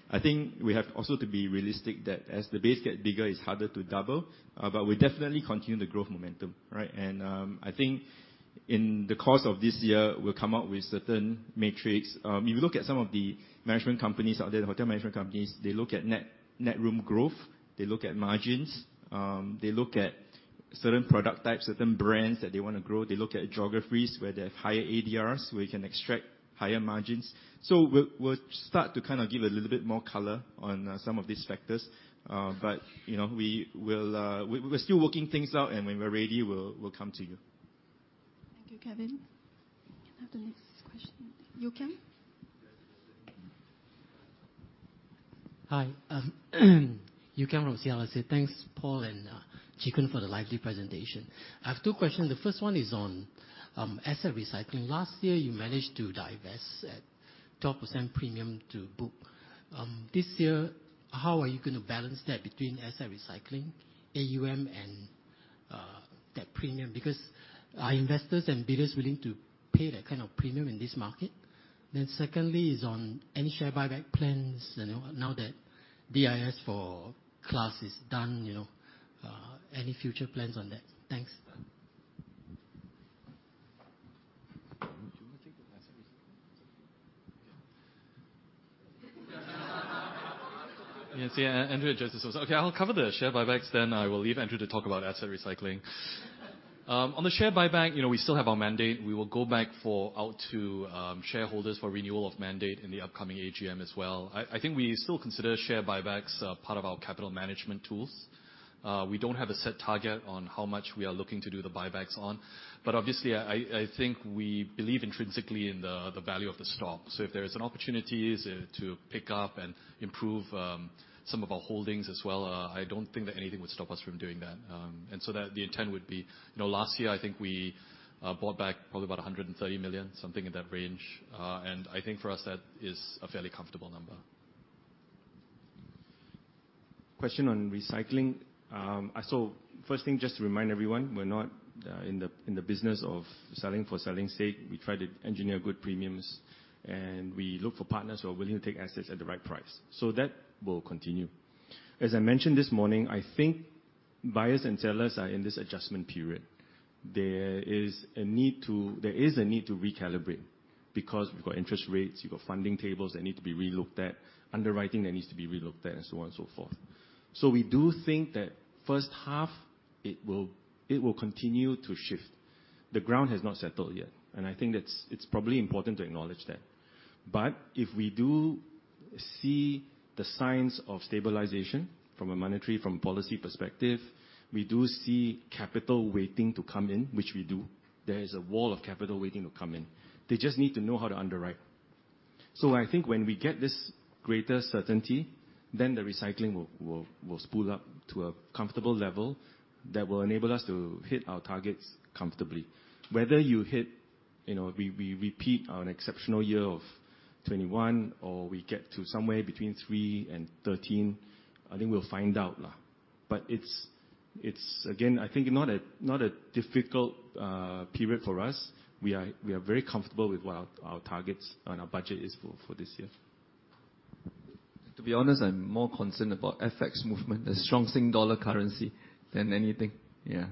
I think we have also to be realistic that as the base get bigger, it's harder to double. We definitely continue the growth momentum, right? I think in the course of this year, we'll come out with certain metrics. If you look at some of the management companies out there, the hotel management companies, they look at net room growth. They look at margins. They look at certain product types, certain brands that they wanna grow. They look at geographies where they have higher ADRs, where you can extract higher margins. We'll start to kind of give a little bit more color on some of these factors. You know, we will, we're still working things out, and when we're ready, we'll come to you. Thank you, Kevin. You have the next question. Yew Kiang? Yes. Hi. Yew Kiang from CLSA. Thanks, Paul and Chee Koon for the lively presentation. I have two questions. The first one is on asset recycling. Last year, you managed to divest at 12% premium to book. This year, how are you gonna balance that between asset recycling, AUM and that premium? Are investors and bidders willing to pay that kind of premium in this market? Secondly is on any share buyback plans, you know, now that BIS for Class is done, you know. Any future plans on that? Thanks. Do you wanna take it? Asset recycling. Yeah. Yes. Yeah, Andrew addresses those. Okay, I'll cover the share buybacks then I will leave Andrew to talk about asset recycling. On the share buyback, you know, we still have our mandate. We will go back out to shareholders for renewal of mandate in the upcoming AGM as well. I think we still consider share buybacks part of our capital management tools. We don't have a set target on how much we are looking to do the buybacks on, but obviously I think we believe intrinsically in the value of the stock. If there's an opportunity is to pick up and improve some of our holdings as well, I don't think that anything would stop us from doing that. That the intent would be... You know, last year I think we bought back probably about 130 million, something in that range. I think for us that is a fairly comfortable number. Question on recycling. First thing just to remind everyone, we're not in the business of selling for selling's sake. We try to engineer good premiums, and we look for partners who are willing to take assets at the right price. That will continue. As I mentioned this morning, I think buyers and sellers are in this adjustment period. There is a need to recalibrate because you've got interest rates, you've got funding tables that need to be relooked at, underwriting that needs to be relooked at, and so on and so forth. We do think that first half it will continue to shift. The ground has not settled yet, and I think that's, it's probably important to acknowledge that. If we do see the signs of stabilization from a monetary, from a policy perspective, we do see capital waiting to come in, which we do. There is a wall of capital waiting to come in. They just need to know how to underwrite. I think when we get this greater certainty, then the recycling will spool up to a comfortable level that will enable us to hit our targets comfortably. Whether you hit, you know, we repeat our exceptional year of 21 or we get to somewhere between three and 13, I think we'll find out la. It's again, I think not a, not a difficult period for us. We are very comfortable with what our targets and our budget is for this year. To be honest, I'm more concerned about FX movement, the strong Sing dollar currency than anything. Yeah.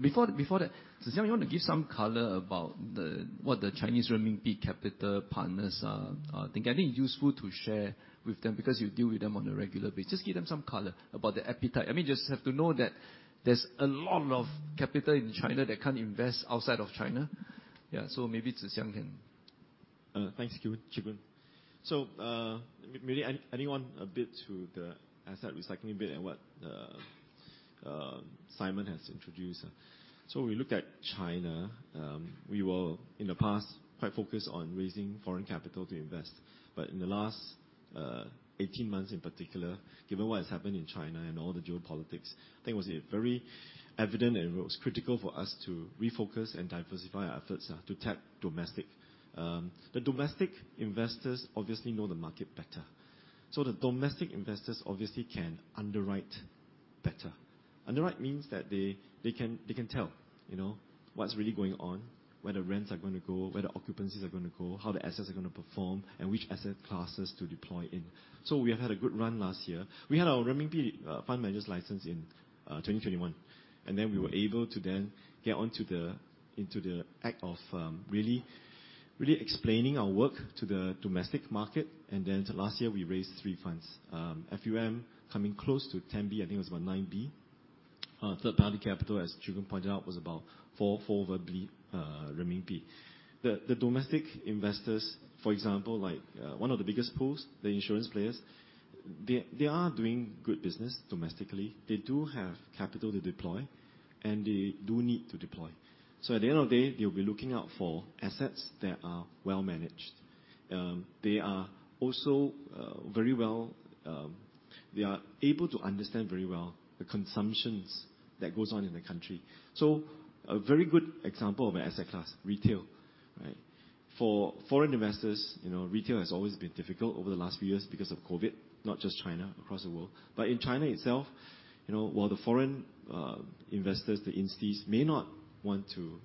Before that, Tze Shyang you wanna give some color about the, what the Chinese renminbi capital partners are thinking. I think useful to share with them because you deal with them on a regular basis. Just give them some color about the appetite. I mean, just have to know that there's a lot of capital in China that can't invest outside of China. Yeah. Maybe Tze Shyang can. Thanks, Chi Kwun. Maybe adding one a bit to the asset recycling bit and what Simon Treacy has introduced. We looked at China, we were in the past quite focused on raising foreign capital to invest. In the last 18 months in particular, given what has happened in China and all the geopolitics, I think it was a very evident and it was critical for us to refocus and diversify our efforts to tap domestic. The domestic investors obviously know the market better. The domestic investors obviously can underwrite better. Underwrite means that they can tell, you know, what's really going on, where the rents are gonna go, where the occupancies are gonna go, how the assets are gonna perform, and which asset classes to deploy in. We have had a good run last year. We had our renminbi fund managers license in 2021, we were able to then get onto the act of really explaining our work to the domestic market. Last year we raised 3 funds. FUM coming close to 10 B. I think it was about 9 B. Third-party capital, as Chi Kwun pointed out, was about 4 over B renminbi. The domestic investors, for example, like one of the biggest pools, the insurance players, they are doing good business domestically. They do have capital to deploy, and they do need to deploy. At the end of the day, they'll be looking out for assets that are well-managed. They are also very well... They are able to understand very well the consumptions that goes on in the country. A very good example of an asset class, retail, right? For foreign investors, you know, retail has always been difficult over the last few years because of COVID, not just China, across the world. In China itself, you know, while the foreign investors, the instis, may not want to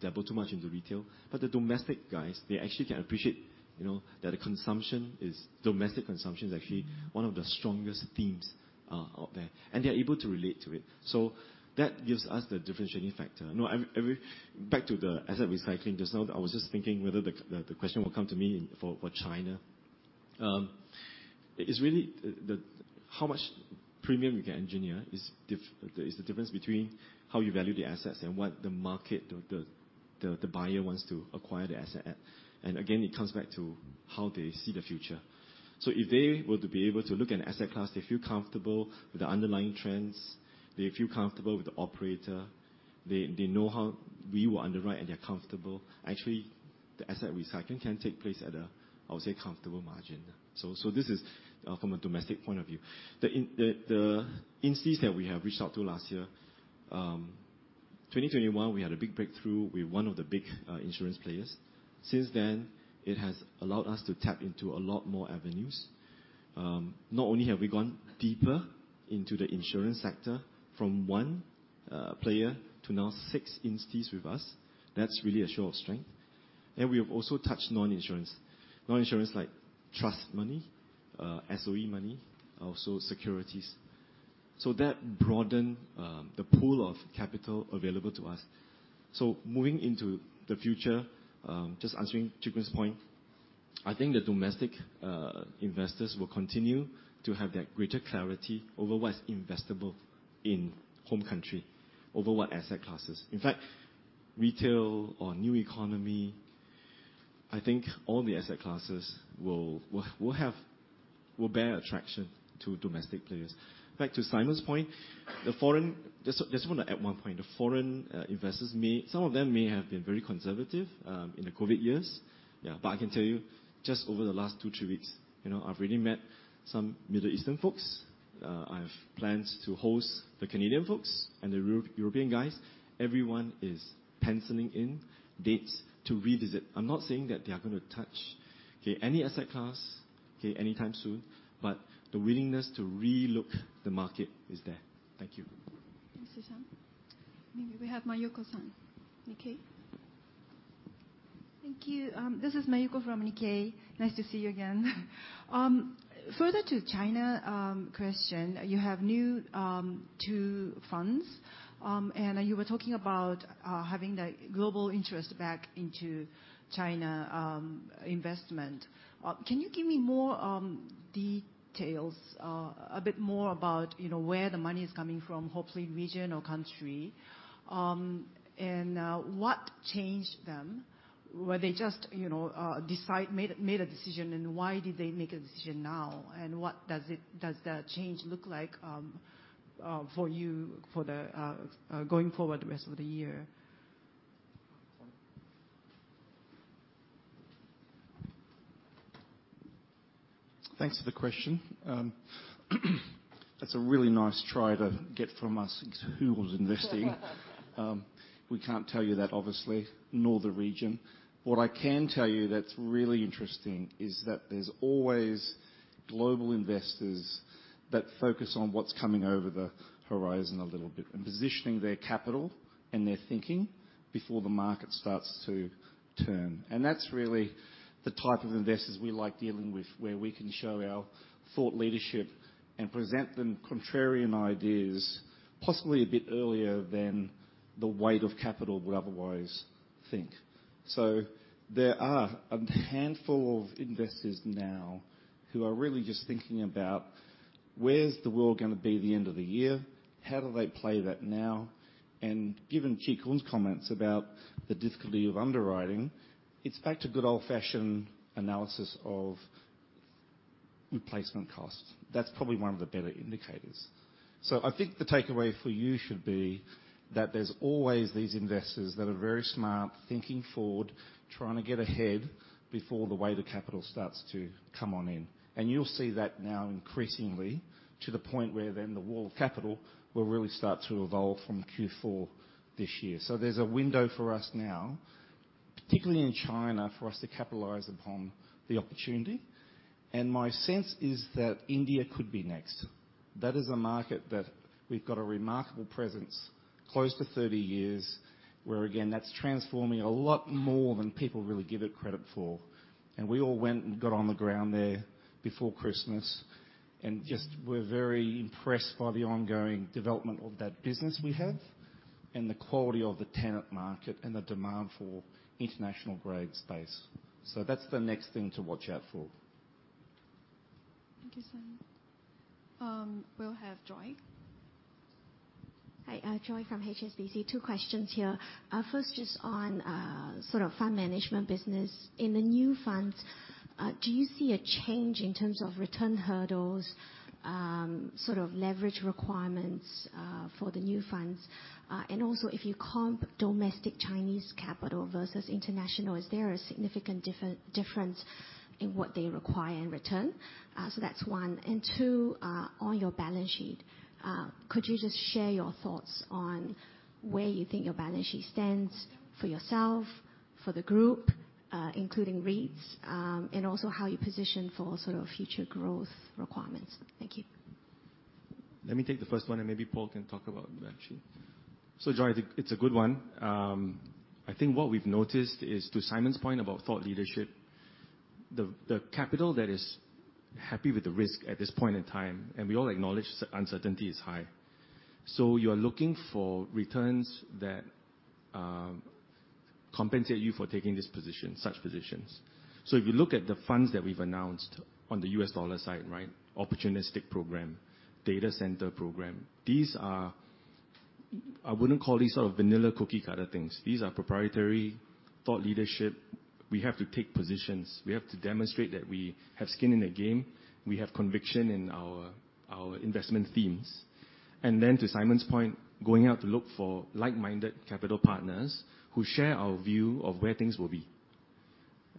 dabble too much into retail, but the domestic guys, they actually can appreciate, you know, that domestic consumption is actually one of the strongest themes out there, and they're able to relate to it. That gives us the differentiating factor. You know, every... Back to the asset recycling just now, I was just thinking whether the question will come to me for China. It's really how much premium you can engineer there is the difference between how you value the assets and what the market or the, the buyer wants to acquire the asset at. Again, it comes back to how they see the future. If they were to be able to look at an asset class, they feel comfortable with the underlying trends, they feel comfortable with the operator, they know how we will underwrite and they're comfortable. Actually, the asset recycling can take place at a, I would say, comfortable margin. So this is from a domestic point of view. The, the instis that we have reached out to last year, 2021 we had a big breakthrough with one of the big insurance players. Since then, it has allowed us to tap into a lot more avenues. Not only have we gone deeper into the insurance sector from one player to now six instis with us, that's really a show of strength. We have also touched non-insurance. Non-insurance like trust money, SOE money, also securities. That broaden the pool of capital available to us. Moving into the future, just answering Chee Koon's point, I think the domestic investors will continue to have that greater clarity over what's investable in home country over what asset classes. In fact, retail or new economy, I think all the asset classes will bear attraction to domestic players. Back to Simon's point, the foreign. Just wanna add one point. The foreign investors may, some of them may have been very conservative in the COVID years. Yeah. I can tell you, just over the last two, three weeks, you know, I've already met some Middle Eastern folks. I've plans to host the Canadian folks and the European guys. Everyone is penciling in dates to revisit. I'm not saying that they are gonna touch, okay, any asset class, okay, anytime soon, but the willingness to relook the market is there. Thank you. Thank you, Susan. Maybe we have Mayuko-san, Nikkei. Thank you. This is Mayuko from Nikkei. Nice to see you again. Further to China, question, you have new two funds, and you were talking about having the global interest back into China investment. Can you give me more details, a bit more about, you know, where the money is coming from, hopefully region or country? What changed them? Were they just, you know, made a decision, and why did they make a decision now? What does that change look like for you for the going forward the rest of the year? Thanks for the question. That's a really nice try to get from us who was investing. We can't tell you that, obviously, nor the region. What I can tell you that's really interesting is that there's always global investors that focus on what's coming over the horizon a little bit and positioning their capital and their thinking before the market starts to turn. That's really the type of investors we like dealing with, where we can show our thought leadership and present them contrarian ideas possibly a bit earlier than the weight of capital would otherwise think. There are a handful of investors now who are really just thinking about where's the world gonna be the end of the year? How do they play that now? Given Chee Koon's comments about the difficulty of underwriting, it's back to good old-fashioned analysis of replacement costs. That's probably one of the better indicators. I think the takeaway for you should be that there's always these investors that are very smart, thinking forward, trying to get ahead before the weight of capital starts to come on in. You'll see that now increasingly to the point where then the wall of capital will really start to evolve from Q4 this year. There's a window for us now, particularly in China, for us to capitalize upon the opportunity. My sense is that India could be next. That is a market that we've got a remarkable presence, close to 30 years, where again, that's transforming a lot more than people really give it credit for. We all went and got on the ground there before Christmas, and just we're very impressed by the ongoing development of that business we have and the quality of the tenant market and the demand for international grade space. That's the next thing to watch out for. Thank you, Simon. We'll have Joy. Hi. Joy from HSBC. 2 questions here. First just on sort of fund management business. In the new funds, do you see a change in terms of return hurdles, sort of leverage requirements, for the new funds? Also, if you comp domestic Chinese capital versus international, is there a significant difference in what they require in return? That's one and two, on your balance sheet, could you just share your thoughts on where you think your balance sheet stands for yourself, for the group, including REITs, and also how you position for sort of future growth requirements? Thank you. Let me take the first one. Maybe Paul can talk about it actually. Joy, I think it's a good one. I think what we've noticed is, to Simon's point about thought leadership, the capital that is happy with the risk at this point in time, and we all acknowledge uncertainty is high. You're looking for returns that compensate you for taking this position, such positions. If you look at the funds that we've announced on the US dollar side, right? Opportunistic Program, Data Center Program. I wouldn't call these sort of vanilla cookie cutter things. These are proprietary thought leadership. We have to take positions. We have to demonstrate that we have skin in the game. We have conviction in our investment themes. To Simon's point, going out to look for like-minded capital partners who share our view of where things will be.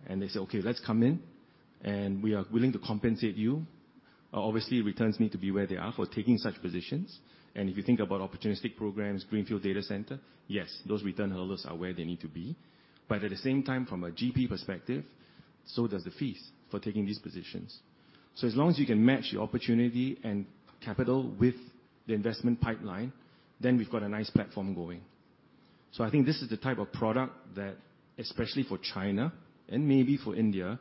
They say, "Okay, let's come in, and we are willing to compensate you." Obviously, returns need to be where they are for taking such positions. If you think about opportunistic programs, greenfield data center, yes, those return hurdles are where they need to be. At the same time, from a GP perspective, so does the fees for taking these positions. As long as you can match the opportunity and capital with the investment pipeline, then we've got a nice platform going. I think this is the type of product that, especially for China and maybe for India,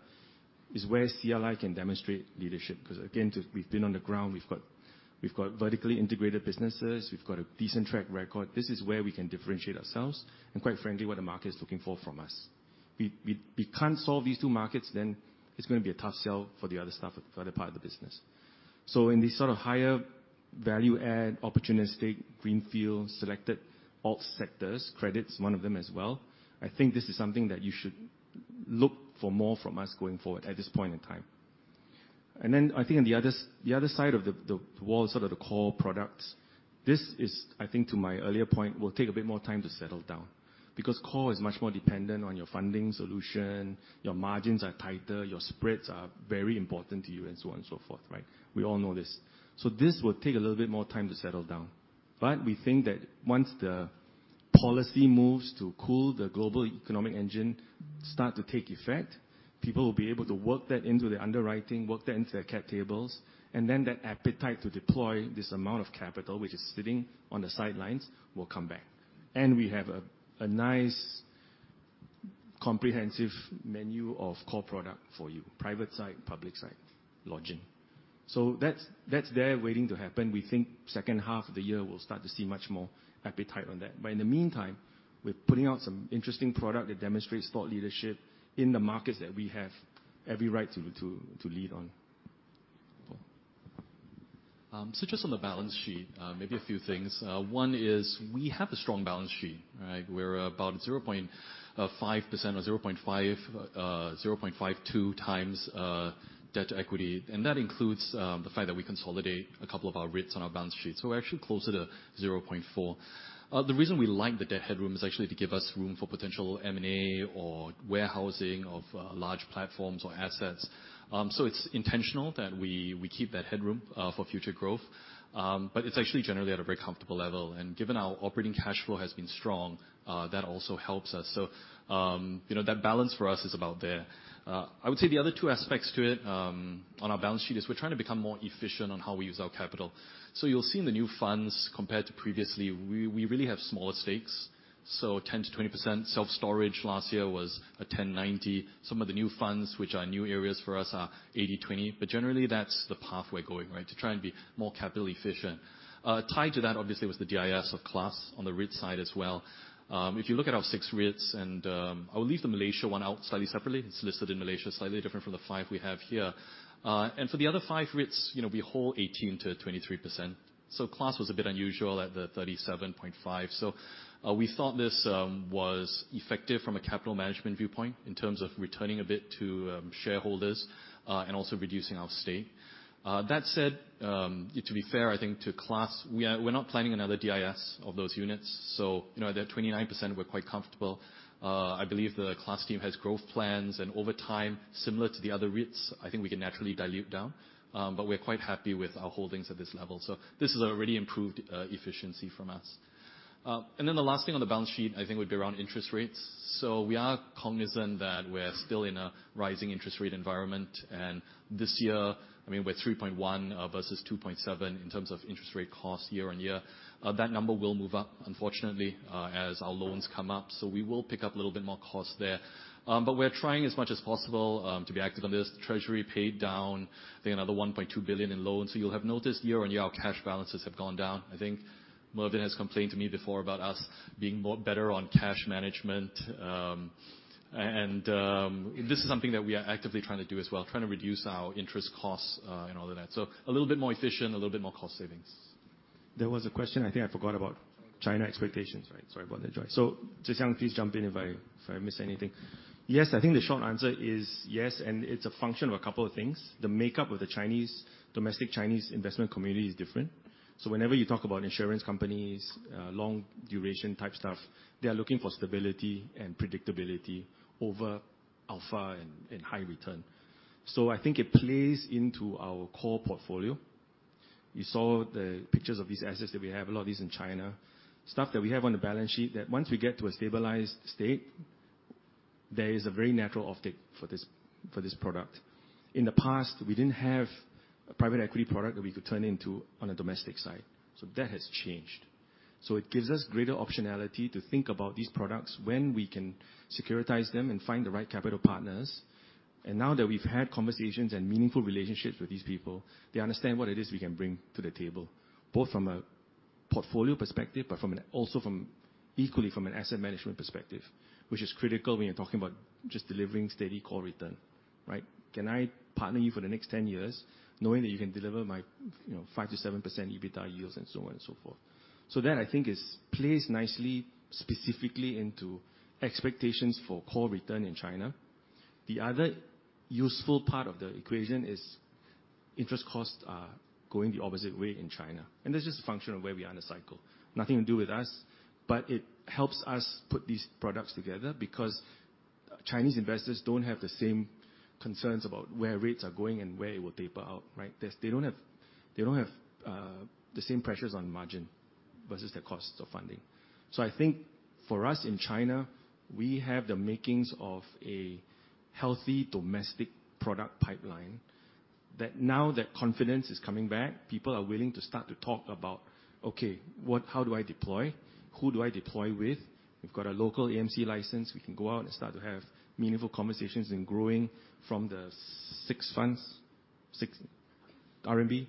is where CLI can demonstrate leadership. ‘Cause again, just we’ve been on the ground, we’ve got vertically integrated businesses, we’ve got a decent track record. This is where we can differentiate ourselves and quite frankly, what the market is looking for from us. We can't solve these two markets, then it's gonna be a tough sell for the other stuff, for the other part of the business. In these sort of higher value add, opportunistic, greenfield, selected alt sectors, credit's one of them as well, I think this is something that you should look for more from us going forward at this point in time. Then I think on the other side of the wall, sort of the core products, this is, I think to my earlier point, will take a bit more time to settle down because core is much more dependent on your funding solution, your margins are tighter, your spreads are very important to you and so on and so forth, right? We all know this. This will take a little bit more time to settle down. We think that once the policy moves to cool the global economic engine start to take effect, people will be able to work that into their underwriting, work that into their cap tables, and then that appetite to deploy this amount of capital which is sitting on the sidelines will come back. We have a nice comprehensive menu of core product for you, private side, public side lodging. That's there waiting to happen. We think second half of the year we'll start to see much more appetite on that. In the meantime, we're putting out some interesting product that demonstrates thought leadership in the markets that we have every right to lead on. Paul? Just on the balance sheet, maybe a few things. One is we have a strong balance sheet, right? We're about 0.5% or 0.5, 0.52 times Debt to Equity. That includes the fact that we consolidate a couple of our REITs on our balance sheet, so we're actually closer to 0.4. The reason we like the debt headroom is actually to give us room for potential M&A or warehousing of large platforms or assets. It's intentional that we keep that headroom for future growth. It's actually generally at a very comfortable level, and given our operating cash flow has been strong, that also helps us. You know, that balance for us is about there. I would say the other two aspects to it on our balance sheet is we're trying to become more efficient on how we use our capital. You'll see in the new funds compared to previously, we really have smaller stakes, 10%-20%. Self-storage last year was a 10-90. Some of the new funds, which are new areas for us, are 80-20. Generally that's the path we're going, right? To try and be more capital efficient. Tied to that obviously was the DIS of class on the REIT side as well. If you look at our 6 REITs and I will leave the Malaysia one out slightly separately. It's listed in Malaysia, slightly different from the 5 we have here. For the other five REITs, you know, we hold 18%-23%. class was a bit unusual at the 37.5%. We thought this was effective from a capital management viewpoint in terms of returning a bit to shareholders and also reducing our stake. That said, to be fair, I think to class, we're not planning another DIS of those units, so you know, that 29% we're quite comfortable. I believe the class team has growth plans and over time, similar to the other REITs, I think we can naturally dilute down. We're quite happy with our holdings at this level. This is already improved efficiency from us. The last thing on the balance sheet I think would be around interest rates. We are cognizant that we're still in a rising interest rate environment. This year, I mean, we're 3.1% versus 2.7% in terms of interest rate cost year-on-year. That number will move up, unfortunately, as our loans come up. We will pick up a little bit more cost there. We're trying as much as possible to be active on this. Treasury paid down, I think another 1.2 billion in loans. You'll have noticed year-on-year our cash balances have gone down. I think Mervyn has complained to me before about us being more better on cash management. And this is something that we are actively trying to do as well, trying to reduce our interest costs, and all of that. A little bit more efficient, a little bit more cost savings. There was a question, I think I forgot about China expectations, right? Sorry about that, Joy. Tze Shyang, please jump in if I missed anything. Yes, I think the short answer is yes, and it's a function of a couple of things. The makeup of the domestic Chinese investment community is different. Whenever you talk about insurance companies, long duration type stuff, they are looking for stability and predictability over alpha and high return. I think it plays into our core portfolio. You saw the pictures of these assets that we have, a lot of these in China. Stuff that we have on the balance sheet that once we get to a stabilized state, there is a very natural offtake for this product. In the past, we didn't have a private equity product that we could turn into on a domestic side. That has changed. It gives us greater optionality to think about these products when we can securitize them and find the right capital partners. Now that we've had conversations and meaningful relationships with these people, they understand what it is we can bring to the table, both from a portfolio perspective, but equally from an asset management perspective, which is critical when you're talking about just delivering steady core return, right? Can I partner you for the next 10 years knowing that you can deliver my, you know, 5%-7% EBITDA yields and so on and so forth? That I think plays nicely specifically into expectations for core return in China. The other useful part of the equation is interest costs are going the opposite way in China. That's just a function of where we are in the cycle. Nothing to do with us, but it helps us put these products together because Chinese investors don't have the same concerns about where rates are going and where it will taper out, right? They don't have the same pressures on margin versus the costs of funding. I think for us in China, we have the makings of a healthy domestic product pipeline. That now that confidence is coming back, people are willing to start to talk about, okay, how do I deploy? Who do I deploy with? We've got a local AMC license. We can go out and start to have meaningful conversations and growing from the six funds. Six RMB.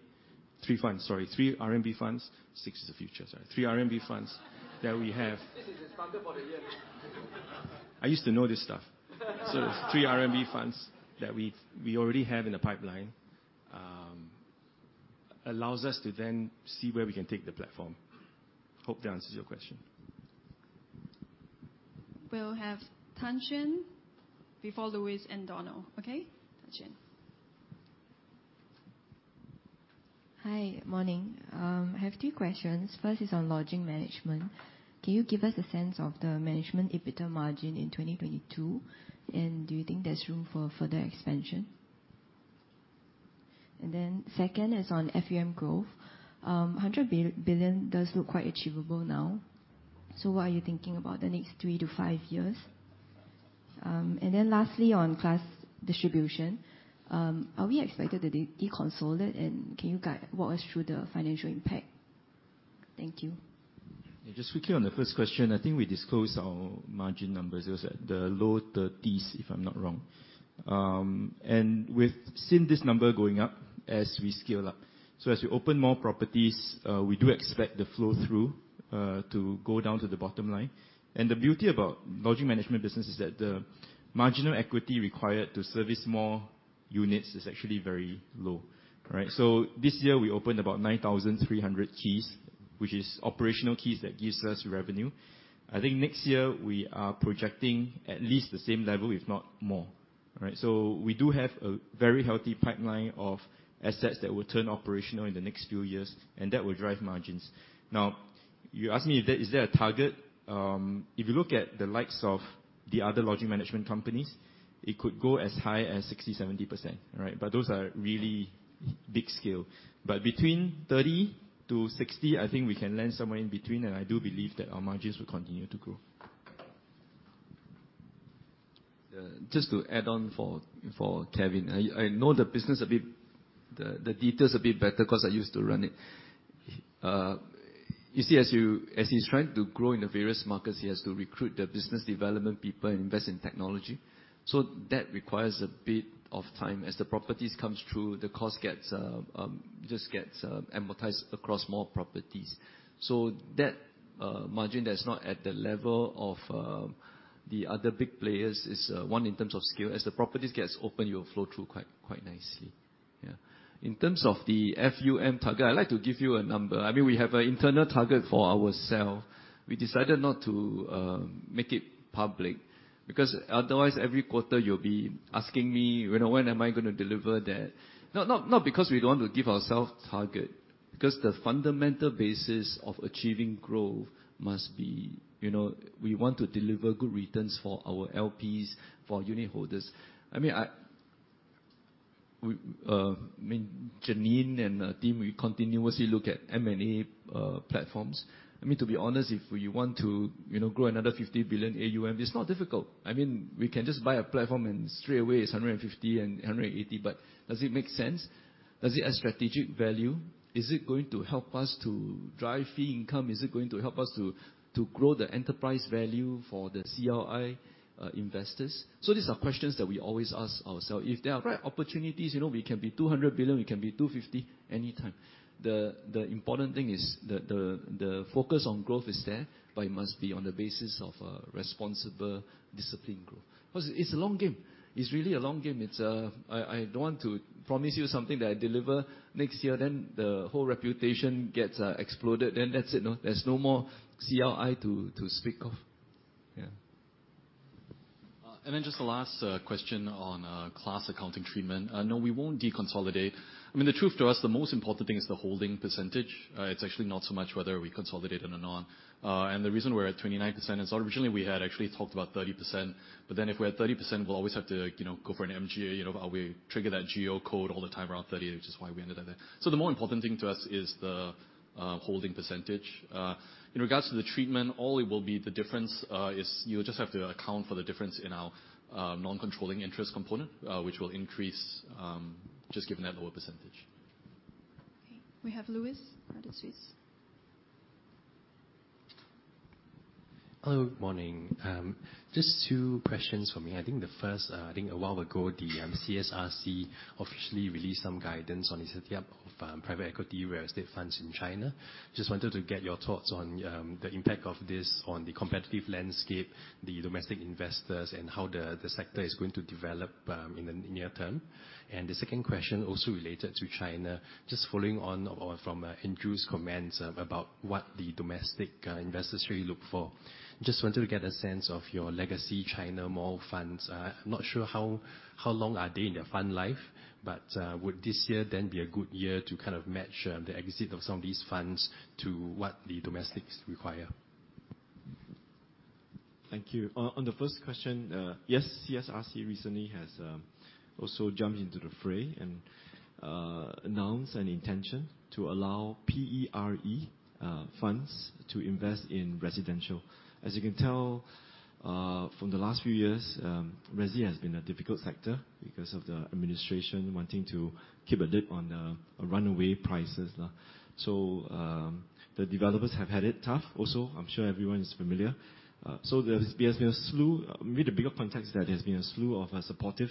Three funds. Sorry, three RMB funds. Six is the future, sorry. three RMB funds that we have. This is the funder for the year. I used to know this stuff. The 3 RMB funds that we already have in the pipeline allows us to then see where we can take the platform. Hope that answers your question. We'll have Tan Shen before Louis and Donald, okay? Tan Shen. Hi. Morning. I have two questions. First is on lodging management. Can you give us a sense of the management EBITDA margin in 2022? Do you think there's room for further expansion? Second is on FUM growth. 100 billion does look quite achievable now. What are you thinking about the next 3-5 years? Lastly, on class distribution. Are we expected to deconsolidate? Can you walk us through the financial impact? Thank you. Yeah, just quickly on the first question, I think we disclosed our margin numbers. It was at the low 30s, if I'm not wrong. We've seen this number going up as we scale up. As we open more properties, we do expect the flow-through to go down to the bottom line. The beauty about lodging management business is that the marginal equity required to service more units is actually very low. Right? This year we opened about 9,300 keys, which is operational keys that gives us revenue. I think next year we are projecting at least the same level, if not more. Right? We do have a very healthy pipeline of assets that will turn operational in the next few years, and that will drive margins. You ask me, is there a target? If you look at the likes of the other lodging management companies, it could go as high as 60%, 70%, right? Those are really big scale. Between 30%-60%, I think we can land somewhere in between, and I do believe that our margins will continue to grow. Just to add on for Kevin. I know the business a bit, the details a bit better because I used to run it. You see, as he's trying to grow in the various markets, he has to recruit the business development people and invest in technology. That requires a bit of time. As the properties come through, the cost gets just gets amortized across more properties. That margin that's not at the level of the other big players is one, in terms of scale. As the properties get open, you will flow through quite nicely. Yeah. In terms of the FUM target, I'd like to give you a number. I mean, we have an internal target for ourselves. We decided not to make it public because otherwise every quarter you'll be asking me, you know, when am I going to deliver that. Not because we don't want to give ourself target, because the fundamental basis of achieving growth must be, you know, we want to deliver good returns for our LPs, for our unitholders. I mean, we, I mean, Janine and team, we continuously look at M&A platforms. I mean, to be honest, if we want to, you know, grow another 50 billion AUM, it's not difficult. I mean, we can just buy a platform and straight away it's 150 and 180, does it make sense? Does it add strategic value? Is it going to help us to drive fee income? Is it going to help us to grow the enterprise value for the CLI investors? These are questions that we always ask ourselves. If there are Right ...opportunities, you know, we can be $200 billion, we can be $250 billion anytime. The important thing is the focus on growth is there, but it must be on the basis of a responsible, disciplined growth. It's a long game. It's really a long game. It's, I don't want to promise you something that I deliver next year, then the whole reputation gets exploded, then that's it. No, there's no more CLI to speak of. Yeah. Just the last question on class accounting treatment. No, we won't deconsolidate. I mean, the truth to us, the most important thing is the holding percentage. It's actually not so much whether we consolidate it or not. The reason we're at 29% is originally we had actually talked about 30%, but then if we're at 30%, we'll always have to, you know, go for an MGA, you know, or we trigger that GEO code all the time around 30, which is why we ended up there. The more important thing to us is the holding percentage. In regards to the treatment, all it will be the difference is you'll just have to account for the difference in our non-controlling interest component, which will increase, just given that lower percentage. Okay. We have Louis. Hello, morning. Just two questions for me. I think the first, I think a while ago, the CSRC officially released some guidance on the setting up of private equity real estate funds in China. Just wanted to get your thoughts on the impact of this on the competitive landscape, the domestic investors, and how the sector is going to develop in the near term. The second question, also related to China, just following on or from Andrew's comments about what the domestic investors really look for. Just wanted to get a sense of your legacy China mall funds. I'm not sure how long are they in their fund life, but would this year then be a good year to kind of match the exit of some of these funds to what the domestics require? Thank you. On the first question, yes, CSRC recently has also jumped into the fray. Announce an intention to allow PERE funds to invest in residential. As you can tell, from the last few years, resi has been a difficult sector because of the administration wanting to keep a lid on the runaway prices. The developers have had it tough also, I'm sure everyone is familiar. With the bigger context, there has been a slew of supportive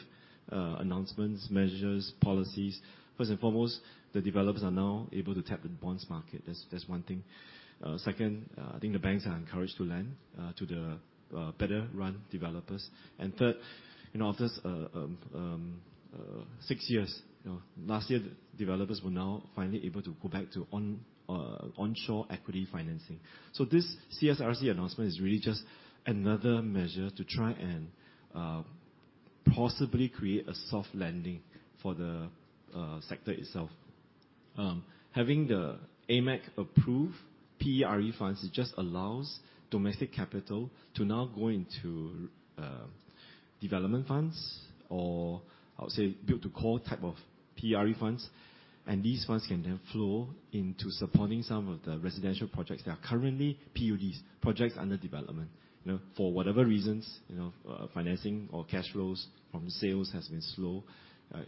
announcements, measures, policies. First and foremost, the developers are now able to tap the bonds market. That's one thing. Second, I think the banks are encouraged to lend to the better run developers. Third, in office, six years, you know, last year developers were now finally able to go back to onshore equity financing. This CSRC announcement is really just another measure to try and possibly create a soft landing for the sector itself. Having the AMAC approve PERE funds, it just allows domestic capital to now go into development funds or I would say build to core type of PERE funds. These funds can then flow into supporting some of the residential projects that are currently PUDs, projects under development. You know, for whatever reasons, you know, financing or cash flows from sales has been slow,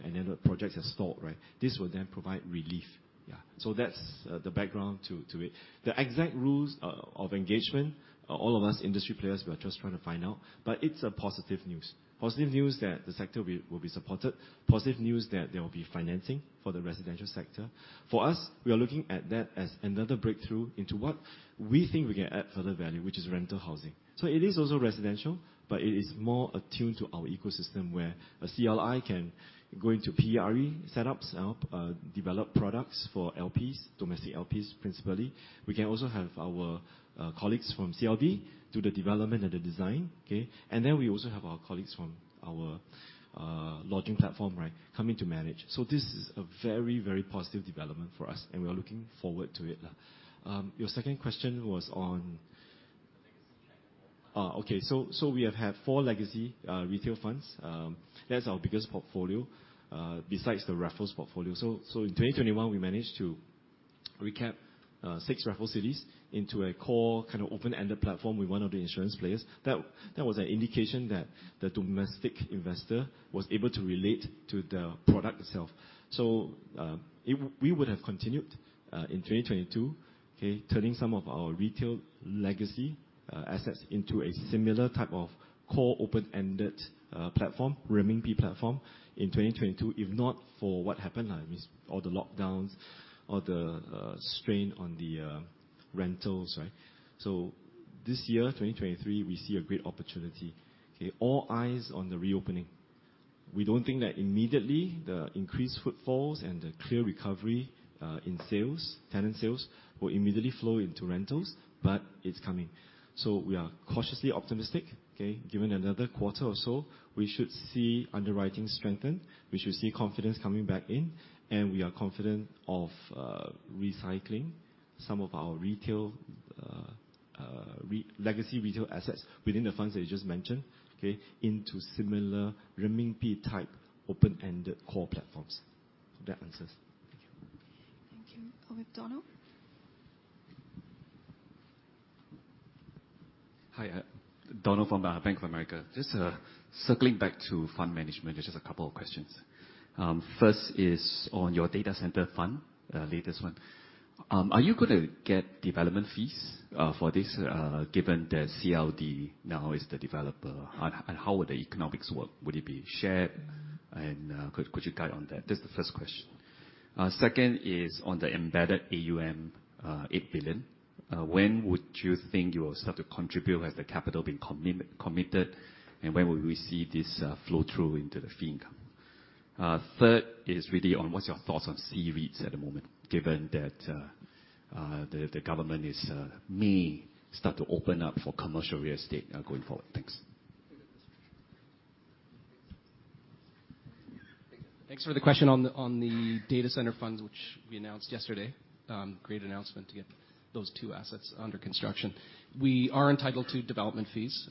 and then the projects have stalled, right? This will then provide relief. That's the background to it. The exact rules of engagement, all of us industry players we are just trying to find out, but it's a positive news that the sector will be supported. Positive news that there will be financing for the residential sector. For us, we are looking at that as another breakthrough into what we think we can add further value, which is rental housing. It is also residential, but it is more attuned to our ecosystem, where a CLI can go into PERE setups, develop products for LPs, domestic LPs, principally. We can also have our colleagues from CLB do the development and the design, okay? We also have our colleagues from our lodging platform, right, coming to manage. This is a very, very positive development for us, and we are looking forward to it. Legacy Okay. We have had four legacy retail funds. That's our biggest portfolio besides the Raffles portfolio. In 2021 we managed to recap six Raffles cities into a core kind of open-ended platform with one of the insurance players. That was an indication that the domestic investor was able to relate to the product itself. We would have continued in 2022, okay, turning some of our retail legacy assets into a similar type of core open-ended platform, renminbi platform in 2022, if not for what happened. I mean, all the lockdowns, all the strain on the rentals, right? This year, 2023, we see a great opportunity, okay? All eyes on the reopening. We don't think that immediately the increased footfalls and the clear recovery, in sales, tenant sales, will immediately flow into rentals, but it's coming. We are cautiously optimistic, okay? Given another quarter or so, we should see underwriting strengthen, we should see confidence coming back in, and we are confident of recycling some of our retail, legacy retail assets within the funds I just mentioned, okay, into similar renminbi type open-ended core platforms. Hope that answers. Thank you. Thank you. Over to Donald. Hi. Donald from Bank of America. Just circling back to fund management, just a couple of questions. First is on your data center fund, latest one. Are you gonna get development fees for this, given that CLD now is the developer? How would the economics work? Would it be shared? Could you guide on that? That's the first question. Second is on the embedded AUM, 8 billion. When would you think you will start to contribute? Has the capital been committed? When will we see this flow through into the fee income? Third is really on what's your thoughts on C-REITs at the moment, given that the government is may start to open up for commercial real estate going forward? Thanks. Thanks for the question on the data center funds, which we announced yesterday. Great announcement to get those two assets under construction. We are entitled to development fees.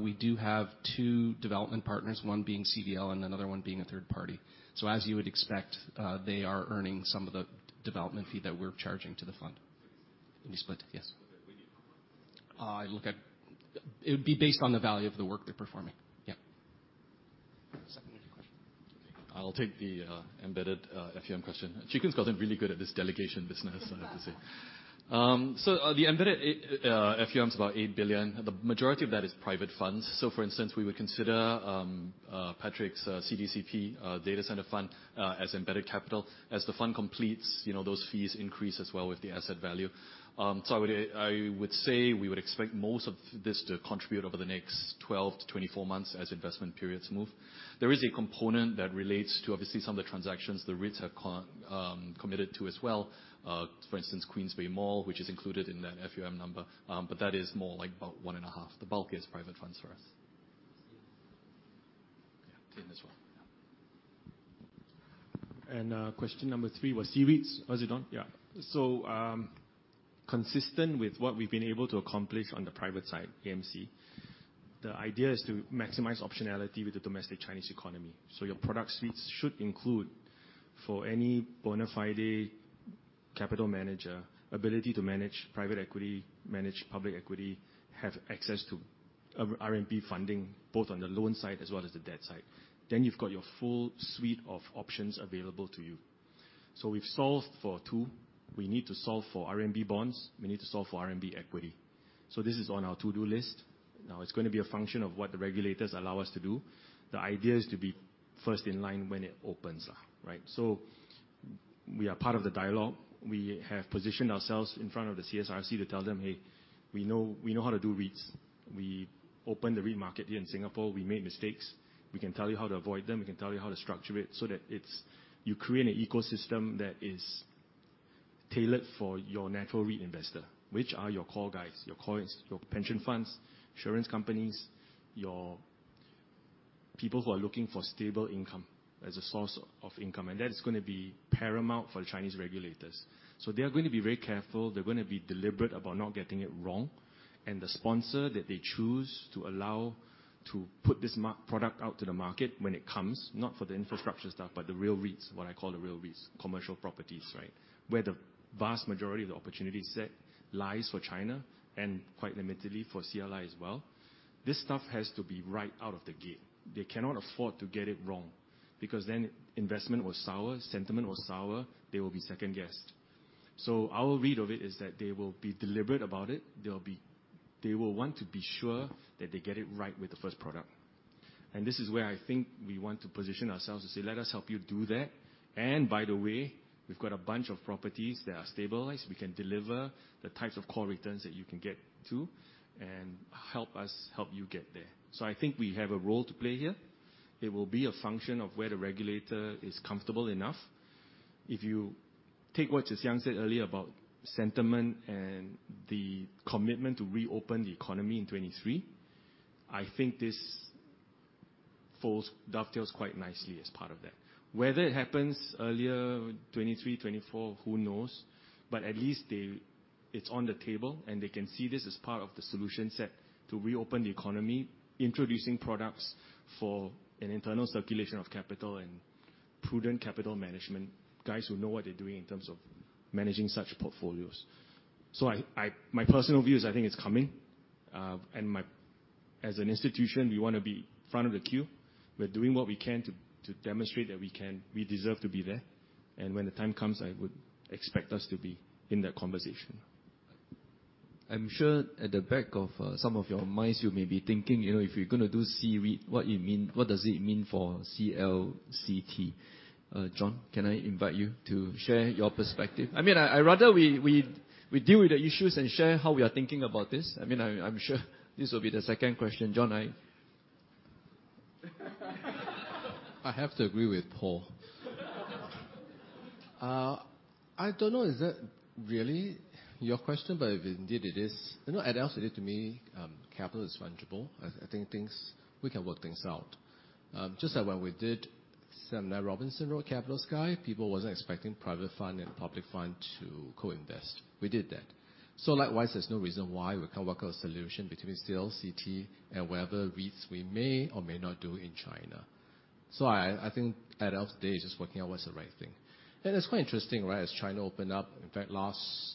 We do have two development partners, one being CDL and another one being a third party. As you would expect, they are earning some of the development fee that we're charging to the fund. It's split. It's split, yes. Okay. It would be based on the value of the work they're performing. Yeah. Second question. I'll take the embedded FOM question. Chi Koon's gotten really good at this delegation business, I have to say. The embedded FOM's about 8 billion. The majority of that is private funds. For instance, we would consider Patrick's CDCP data center fund as embedded capital. As the fund completes, you know, those fees increase as well with the asset value. I would say we would expect most of this to contribute over the next 12-24 months as investment periods move. There is a component that relates to obviously some of the transactions the REITs have committed to as well. For instance, Queensway Mall, which is included in that FOM number. That is more like about 1.5 billion. The bulk is private funds for us. Yeah. Yeah. Question number 3 was C-REITs. How's it, Don? Yeah. Consistent with what we've been able to accomplish on the private side, AMC. The idea is to maximize optionality with the domestic Chinese economy. Your product suites should include, for any bona fide capital manager, ability to manage private equity, manage public equity, have access to RMB funding, both on the loan side as well as the debt side. You've got your full suite of options available to you. We've solved for two. We need to solve for RMB bonds, we need to solve for RMB equity. This is on our to-do list. Now it's gonna be a function of what the regulators allow us to do. The idea is to be first in line when it opens up, right? We are part of the dialogue. We have positioned ourselves in front of the CSRC to tell them, "Hey, we know how to do REITs. We opened the REIT market here in Singapore. We made mistakes. We can tell you how to avoid them. We can tell you how to structure it so that you create an ecosystem that is tailored for your natural REIT investor, which are your core guys, your cores, your pension funds, insurance companies, your people who are looking for stable income as a source of income." That is gonna be paramount for the Chinese regulators. They are gonna be very careful. They're gonna be deliberate about not getting it wrong. The sponsor that they choose to allow to put this product out to the market when it comes, not for the infrastructure stuff, but the real REITs, what I call the real REITs, commercial properties. Where the vast majority of the opportunity set lies for China, and quite admittedly for CLI as well, this stuff has to be right out of the gate. They cannot afford to get it wrong, because then investment will sour, sentiment will sour, they will be second-guessed. Our read of it is that they will be deliberate about it. They will want to be sure that they get it right with the first product. This is where I think we want to position ourselves to say, "Let us help you do that." By the way, we've got a bunch of properties that are stabilized. We can deliver the types of core returns that you can get to, and help us help you get there. I think we have a role to play here. It will be a function of where the regulator is comfortable enough. If you take what Tze Shyang said earlier about sentiment and the commitment to reopen the economy in 2023, I think this dovetails quite nicely as part of that. Whether it happens earlier, 2023, 2024, who knows? At least it's on the table, and they can see this as part of the solution set to reopen the economy, introducing products for an internal circulation of capital and prudent capital management, guys who know what they're doing in terms of managing such portfolios. My personal view is I think it's coming. As an institution, we wanna be front of the queue. We're doing what we can to demonstrate that we deserve to be there. When the time comes, I would expect us to be in that conversation. I'm sure at the back of some of your minds, you may be thinking, you know, if you're gonna do C-REIT, what does it mean for CLCT? John, can I invite you to share your perspective? I mean, I rather we deal with the issues and share how we are thinking about this. I mean, I'm sure this will be the second question. John, I... I have to agree with Paul. I don't know, is that really your question? If indeed it is, you know, at the end of the day to me, capital is fungible. I think we can work things out. Just like when we did 79 Robinson Road CapitaSky, people wasn't expecting private fund and public fund to co-invest. We did that. Likewise, there's no reason why we can't work out a solution between CLCT and whatever REITs we may or may not do in China. I think at the end of the day it's just working out what's the right thing. It's quite interesting, right? As China open up, in fact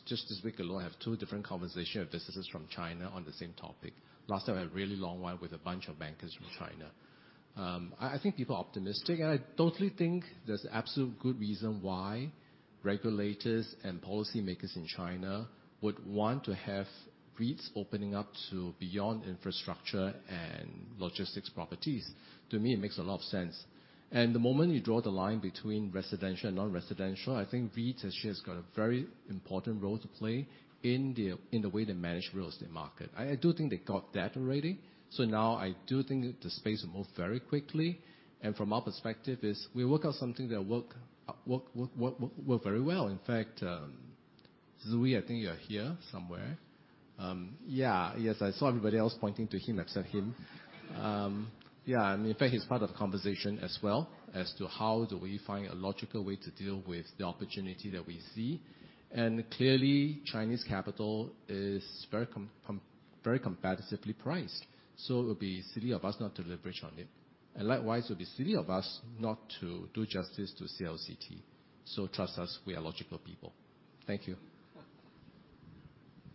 just this week alone, I have two different conversation with businesses from China on the same topic. Last time I had a really long one with a bunch of bankers from China. I think people are optimistic, and I totally think there's absolute good reason why regulators and policymakers in China would want to have REITs opening up to beyond infrastructure and logistics properties. To me, it makes a lot of sense. The moment you draw the line between residential and non-residential, I think REITs as shares has got a very important role to play in the, in the way they manage real estate market. I do think they got that already. Now I do think the space will move very quickly, and from our perspective is we work out something that work very well. In fact, Zui, I think you're here somewhere. Yes, I saw everybody else pointing to him except him. Yeah. I mean, in fact, he's part of the conversation as well as to how do we find a logical way to deal with the opportunity that we see. Clearly, Chinese capital is very competitively priced, so it would be silly of us not to leverage on it. Likewise, it would be silly of us not to do justice to CLCT. Trust us, we are logical people. Thank you.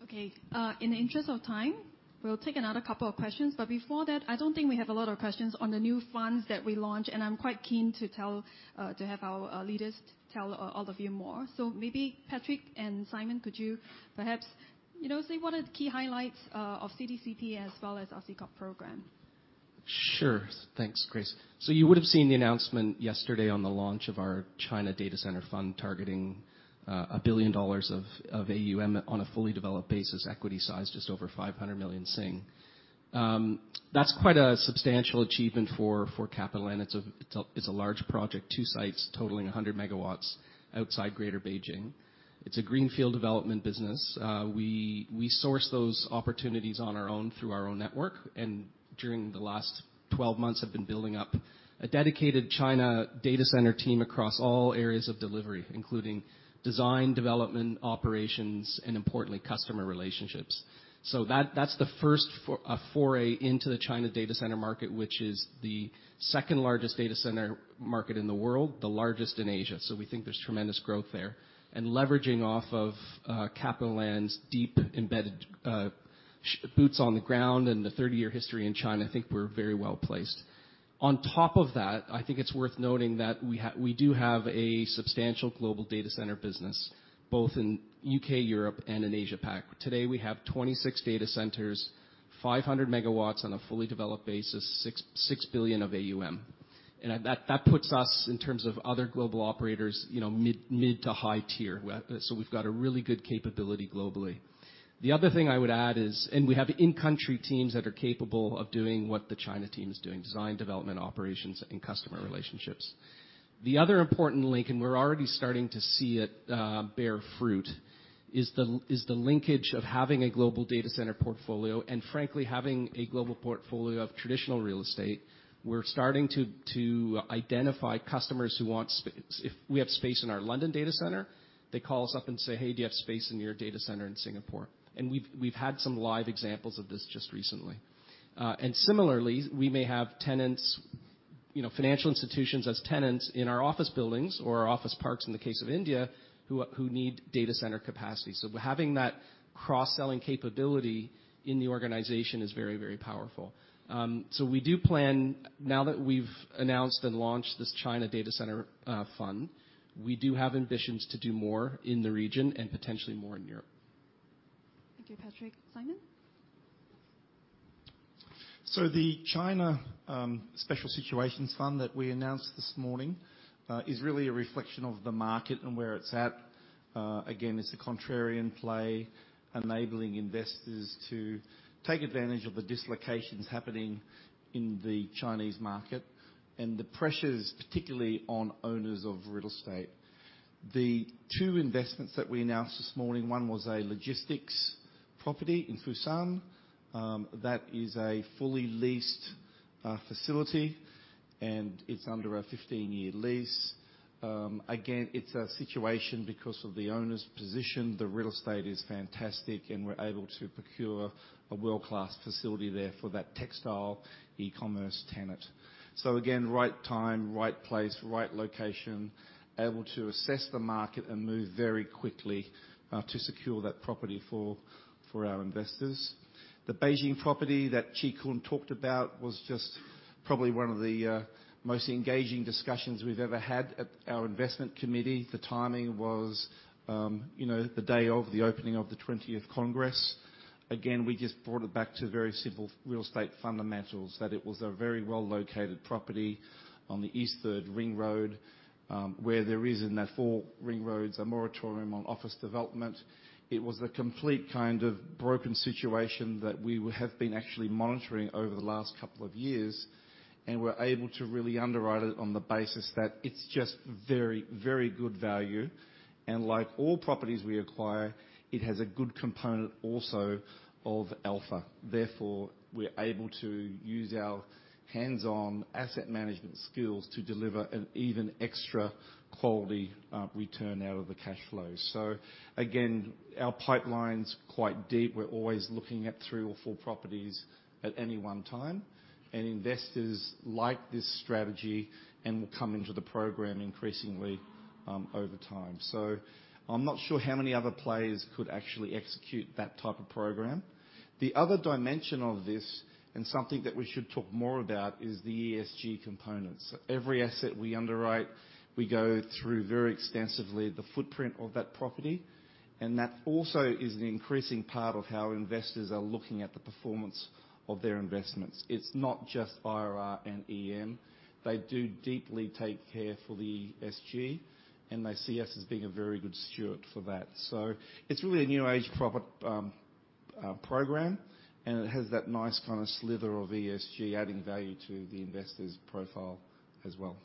Okay. In the interest of time, we'll take another couple of questions. Before that, I don't think we have a lot of questions on the new funds that we launched, and I'm quite keen to tell, to have our leaders tell all of you more. Maybe Patrick and Simon, could you perhaps, you know, say what are the key highlights of CDCT as well as our C-COP program? Sure. Thanks, Grace. You would have seen the announcement yesterday on the launch of our China Data Center Fund targeting $1 billion of AUM on a fully developed basis, equity size just over 500 million. That's quite a substantial achievement for CapitaLand. It's a large project, two sites totaling 100 megawatts outside Greater Beijing. It's a greenfield development business. We source those opportunities on our own through our own network, and during the last 12 months have been building up a dedicated China Data Center team across all areas of delivery, including design, development, operations, and importantly, customer relationships. That's the first foray into the China Data Center market, which is the second largest data center market in the world, the largest in Asia. We think there's tremendous growth there. Leveraging off of CapitaLand's deep embedded boots on the ground and the 30-year history in China, I think we're very well-placed. On top of that, I think it's worth noting that we do have a substantial global data center business, both in U.K., Europe, and in Asia-Pac. Today, we have 26 data centers, 500 megawatts on a fully developed basis, 6 billion of AUM. That puts us in terms of other global operators, you know, mid to high tier. We've got a really good capability globally. The other thing I would add is. We have in-country teams that are capable of doing what the China team is doing: design, development, operations, and customer relationships. The other important link, we're already starting to see it bear fruit, is the linkage of having a global data center portfolio and frankly, having a global portfolio of traditional real estate. We're starting to identify customers who want If we have space in our London data center, they call us up and say, "Hey, do you have space in your data center in Singapore?" We've had some live examples of this just recently. Similarly, we may have tenants, you know, financial institutions as tenants in our office buildings or our office parks in the case of India, who need data center capacity. Having that cross-selling capability in the organization is very, very powerful. We do plan, now that we've announced and launched this China Data Centre Fund, we do have ambitions to do more in the region and potentially more in Europe. Thank you, Patrick. Simon? The China Special Situations Fund that we announced this morning is really a reflection of the market and where it's at. Again, it's a contrarian play, enabling investors to take advantage of the dislocations happening in the Chinese market and the pressures, particularly on owners of real estate. The two investments that we announced this morning, one was a logistics property in Foshan that is a fully leased facility, and it's under a 15-year lease. Again, it's a situation because of the owner's position. The real estate is fantastic, and we're able to procure a world-class facility there for that textile e-commerce tenant. Again, right time, right place, right location. Able to assess the market and move very quickly to secure that property for our investors. The Beijing property that Chee Koon talked about was just probably one of the most engaging discussions we've ever had at our investment committee. The timing was, you know, the day of the opening of the 20th Congress. We just brought it back to very simple real estate fundamentals, that it was a very well-located property on the East Third Ring Road, where there is in the four ring roads a moratorium on office development. It was the complete kind of broken situation that we have been actually monitoring over the last couple of years, and we're able to really underwrite it on the basis that it's just very, very good value. Like all properties we acquire, it has a good component also of alpha. Therefore, we're able to use our hands-on asset management skills to deliver an even extra quality return out of the cash flow. Again, our pipeline's quite deep. We're always looking at three or four properties at any one time. Investors like this strategy and will come into the program increasingly over time. I'm not sure how many other players could actually execute that type of program. The other dimension of this, and something that we should talk more about, is the ESG components. Every asset we underwrite, we go through very extensively the footprint of that property, and that also is an increasing part of how investors are looking at the performance of their investments. It's not just IRR and EM. They do deeply take care for the SG, and they see us as being a very good steward for that. It's really a new age program, and it has that nice kind of sliver of ESG adding value to the investor's profile as well.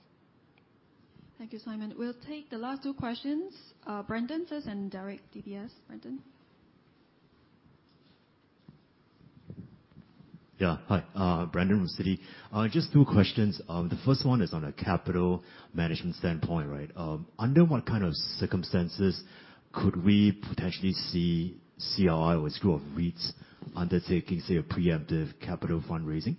Thank you, Simon. We'll take the last two questions. Brandon, first and Derek, DBS. Brandon? Yeah. Hi. Brandon from Citi. Just two questions. The first one is on a capital management standpoint, right? Under what kind of circumstances could we potentially see CLI or a screw of REITs undertaking, say, a preemptive capital fundraising?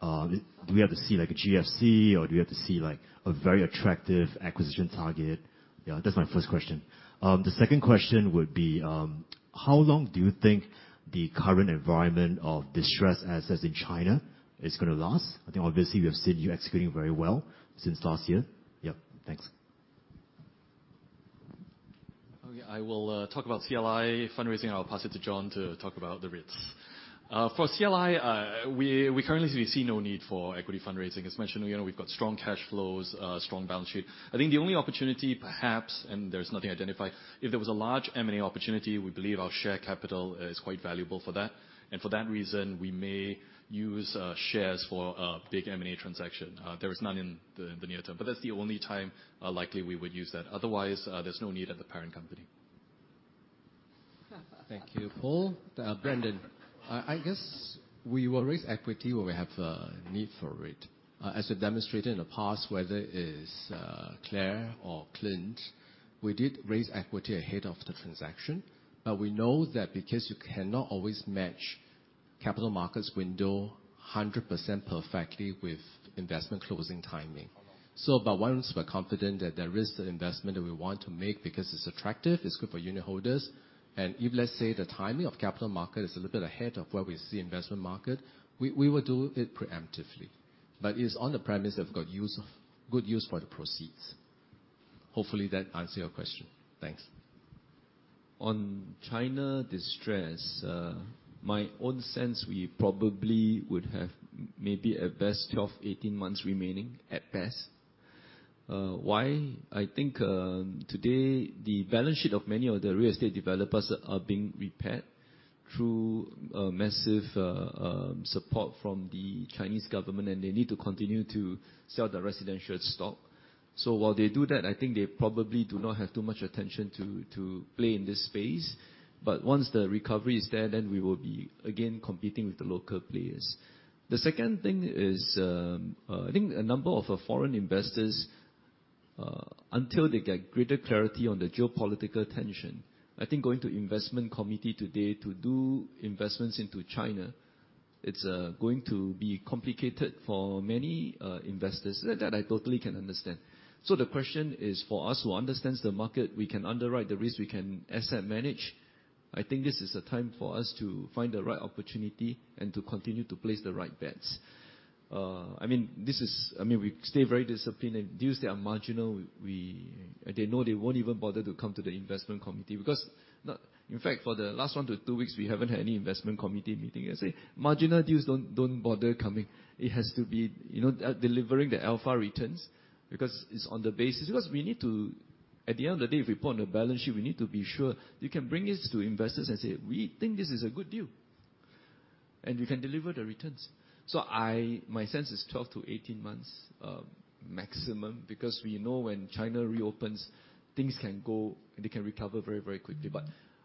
Do we have to see, like, a GFC, or do we have to see, like, a very attractive acquisition target? Yeah, that's my first question. The second question would be, how long do you think the current environment of distressed assets in China is gonna last? I think obviously we have seen you executing very well since last year. Yep. Thanks. I will talk about CLI fundraising. I'll pass it to John to talk about the REITs. For CLI, we currently see no need for equity fundraising. As mentioned, you know, we've got strong cash flows, strong balance sheet. I think the only opportunity perhaps, and there's nothing identified, if there was a large M&A opportunity, we believe our share capital is quite valuable for that. For that reason, we may use shares for a big M&A transaction. There is none in the near term. That's the only time likely we would use that. Otherwise, there's no need at the parent company. Thank you, Paul. Brandon, I guess we will raise equity when we have a need for it. As we demonstrated in the past, whether it is, Clare or Clint, we did raise equity ahead of the transaction. We know that because you cannot always match capital markets window 100% perfectly with investment closing timing. Once we're confident that there is an investment that we want to make because it's attractive, it's good for unit holders, and if, let's say, the timing of capital market is a little bit ahead of where we see investment market, we will do it preemptively. It is on the premise that we've got good use for the proceeds. Hopefully that answer your question. Thanks. On China distress, my own sense, we probably would have maybe at best 12, 18 months remaining, at best. Why? I think, today the balance sheet of many of the real estate developers are being repaired through massive support from the Chinese government, and they need to continue to sell the residential stock. While they do that, I think they probably do not have too much attention to play in this space. Once the recovery is there, then we will be again competing with the local players. The second thing is, I think a number of foreign investors, until they get greater clarity on the geopolitical tension, I think going to investment committee today to do investments into China, it's going to be complicated for many investors. That I totally can understand. The question is for us who understands the market, we can underwrite the risk, we can asset manage. I think this is a time for us to find the right opportunity and to continue to place the right bets. I mean, we stay very disciplined. Deals that are marginal, they know they won't even bother to come to the investment committee because in fact, for the last 1-2 weeks, we haven't had any investment committee meeting. I say, "Marginal deals, don't bother coming." It has to be, you know, delivering the alpha returns because it's on the basis. We need to at the end of the day, if we put on the balance sheet, we need to be sure we can bring this to investors and say, "We think this is a good deal, and we can deliver the returns." My sense is 12 to 18 months maximum, because we know when China reopens, they can recover very, very quickly.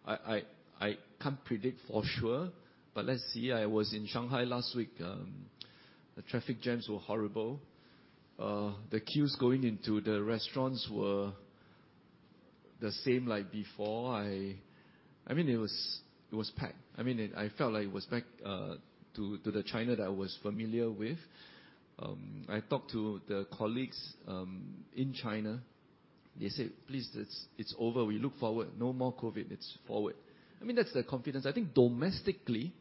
I can't predict for sure, but let's see. I was in Shanghai last week. The traffic jams were horrible. The queues going into the restaurants were the same like before. I mean, it was packed. I mean, I felt like it was back to the China that I was familiar with. I talked to the colleagues in China. They say, "Please, it's over. We look forward. No more COVID. It's forward." I mean, that's their confidence. I think domestically,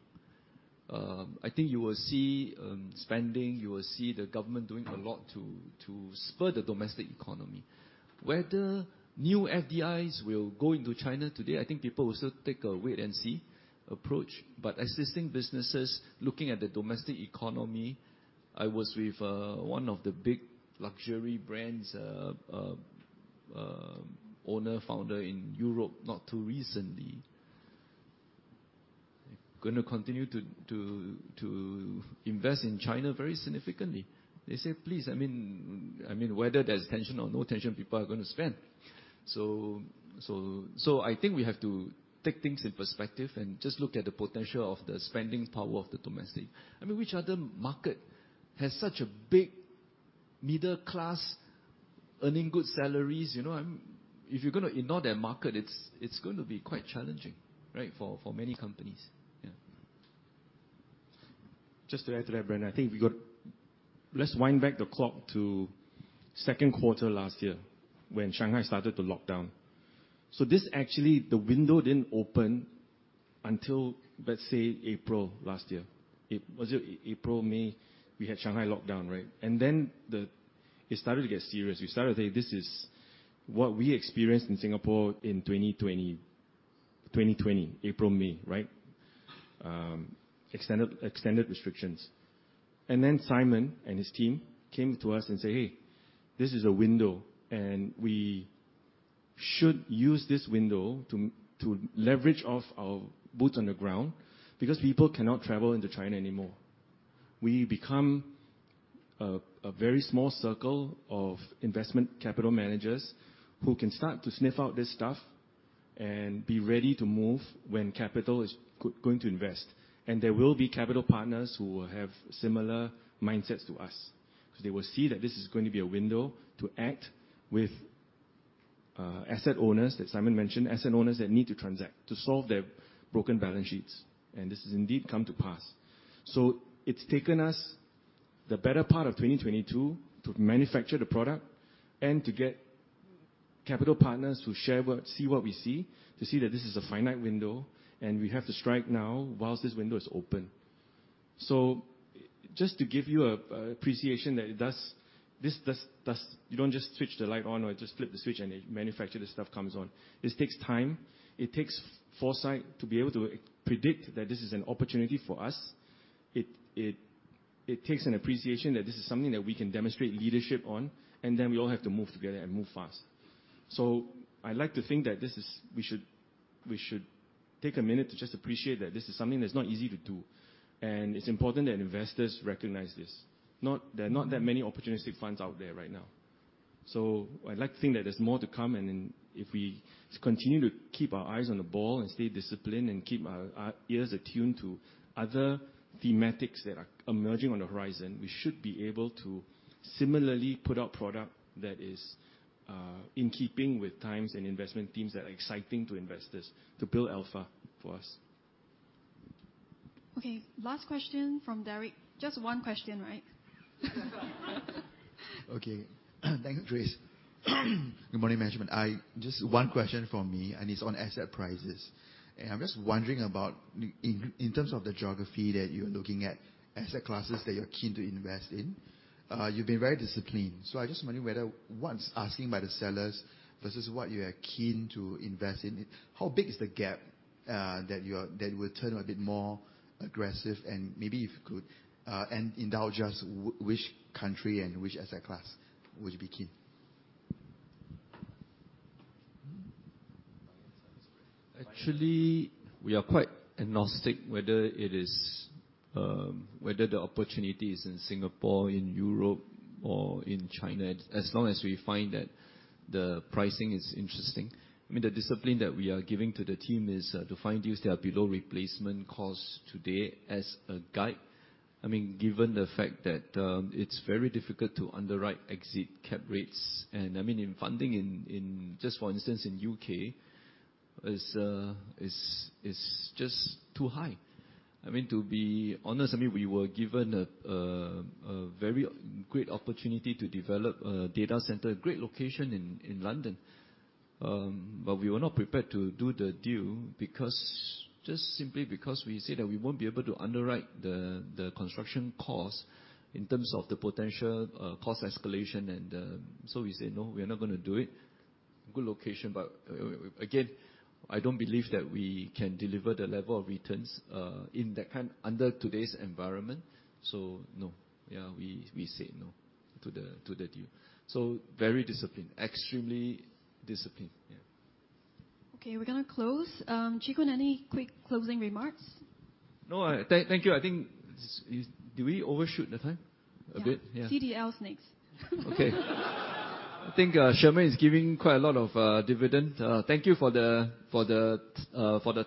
I think you will see spending, you will see the government doing a lot to spur the domestic economy. Whether new FDIs will go into China today, I think people will still take a wait and see approach. Existing businesses looking at the domestic economy, I was with one of the big luxury brands owner founder in Europe not too recently. Gonna continue to invest in China very significantly. They say, "Please," I mean, whether there's tension or no tension, people are gonna spend. I think we have to take things in perspective and just look at the potential of the spending power of the domestic. I mean, which other market has such a big middle class earning good salaries, you know? If you're gonna ignore their market, it's going to be quite challenging, right? For many companies. Yeah. Just to add to that, Brandon, I think let's wind back the clock to second quarter last year when Shanghai started to lock down. This actually, the window didn't open until, let's say, April last year. Was it April, May? We had Shanghai lock down, right? It started to get serious. We started to say, "This is what we experienced in Singapore in 2020. 2020, April, May," right? Extended restrictions. Simon and his team came to us and say, "Hey, this is a window, and we should use this window to leverage off our boots on the ground because people cannot travel into China anymore." We become a very small circle of investment capital managers who can start to sniff out this stuff and be ready to move when capital is going to invest. There will be capital partners who will have similar mindsets to us, 'cause they will see that this is going to be a window to act with asset owners that Simon mentioned, asset owners that need to transact to solve their broken balance sheets. This has indeed come to pass. It's taken us the better part of 2022 to manufacture the product and to get capital partners who share see what we see, to see that this is a finite window, and we have to strike now whilst this window is open. Just to give you a appreciation that this does you don't just switch the light on or just flip the switch and the manufactured stuff comes on. This takes time. It takes foresight to be able to predict that this is an opportunity for us. It takes an appreciation that this is something that we can demonstrate leadership on, we all have to move together and move fast. I like to think that this is. We should take a minute to just appreciate that this is something that's not easy to do. It's important that investors recognize this. There are not that many opportunistic funds out there right now. I'd like to think that there's more to come. If we continue to keep our eyes on the ball and stay disciplined and keep our ears attuned to other thematics that are emerging on the horizon, we should be able to similarly put out product that is in keeping with times and investment themes that are exciting to investors to build alpha for us. Last question from Derek. Just one question, right? Okay. Thanks, Grace. Good morning, management. Just one question from me, and it's on asset prices. I'm just wondering about in terms of the geography that you're looking at, asset classes that you're keen to invest in, you've been very disciplined. I'm just wondering whether what's asking by the sellers versus what you are keen to invest in, how big is the gap that will turn a bit more aggressive and maybe if you could and indulge us which country and which asset class would you be keen? Actually, we are quite agnostic whether it is, whether the opportunity is in Singapore, in Europe or in China, as long as we find that the pricing is interesting. I mean, the discipline that we are giving to the team is to find deals that are below replacement cost today as a guide. I mean, given the fact that it's very difficult to underwrite exit cap rates and, I mean, in funding in just for instance in UK, is just too high. I mean, to be honest, I mean, we were given a very great opportunity to develop a data center, great location in London. We were not prepared to do the deal because just simply because we said that we won't be able to underwrite the construction cost in terms of the potential cost escalation and, so we say, "No, we are not gonna do it." Good location, again, I don't believe that we can deliver the level of returns in that under today's environment. No. Yeah, we say no to the deal. Very disciplined. Extremely disciplined. Yeah. Okay, we're gonna close. Chi Koon, any quick closing remarks? No. Thank you. I think did we overshoot the time a bit? Yeah. Yeah. CDL's next. Okay. I think Sherman is giving quite a lot of dividend. Thank you for the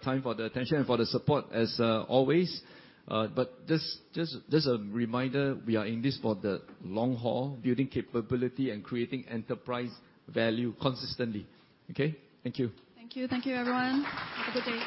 time, for the attention and for the support as always. Just a reminder, we are in this for the long haul, building capability and creating enterprise value consistently. Okay? Thank you. Thank you. Thank you, everyone. Have a good day.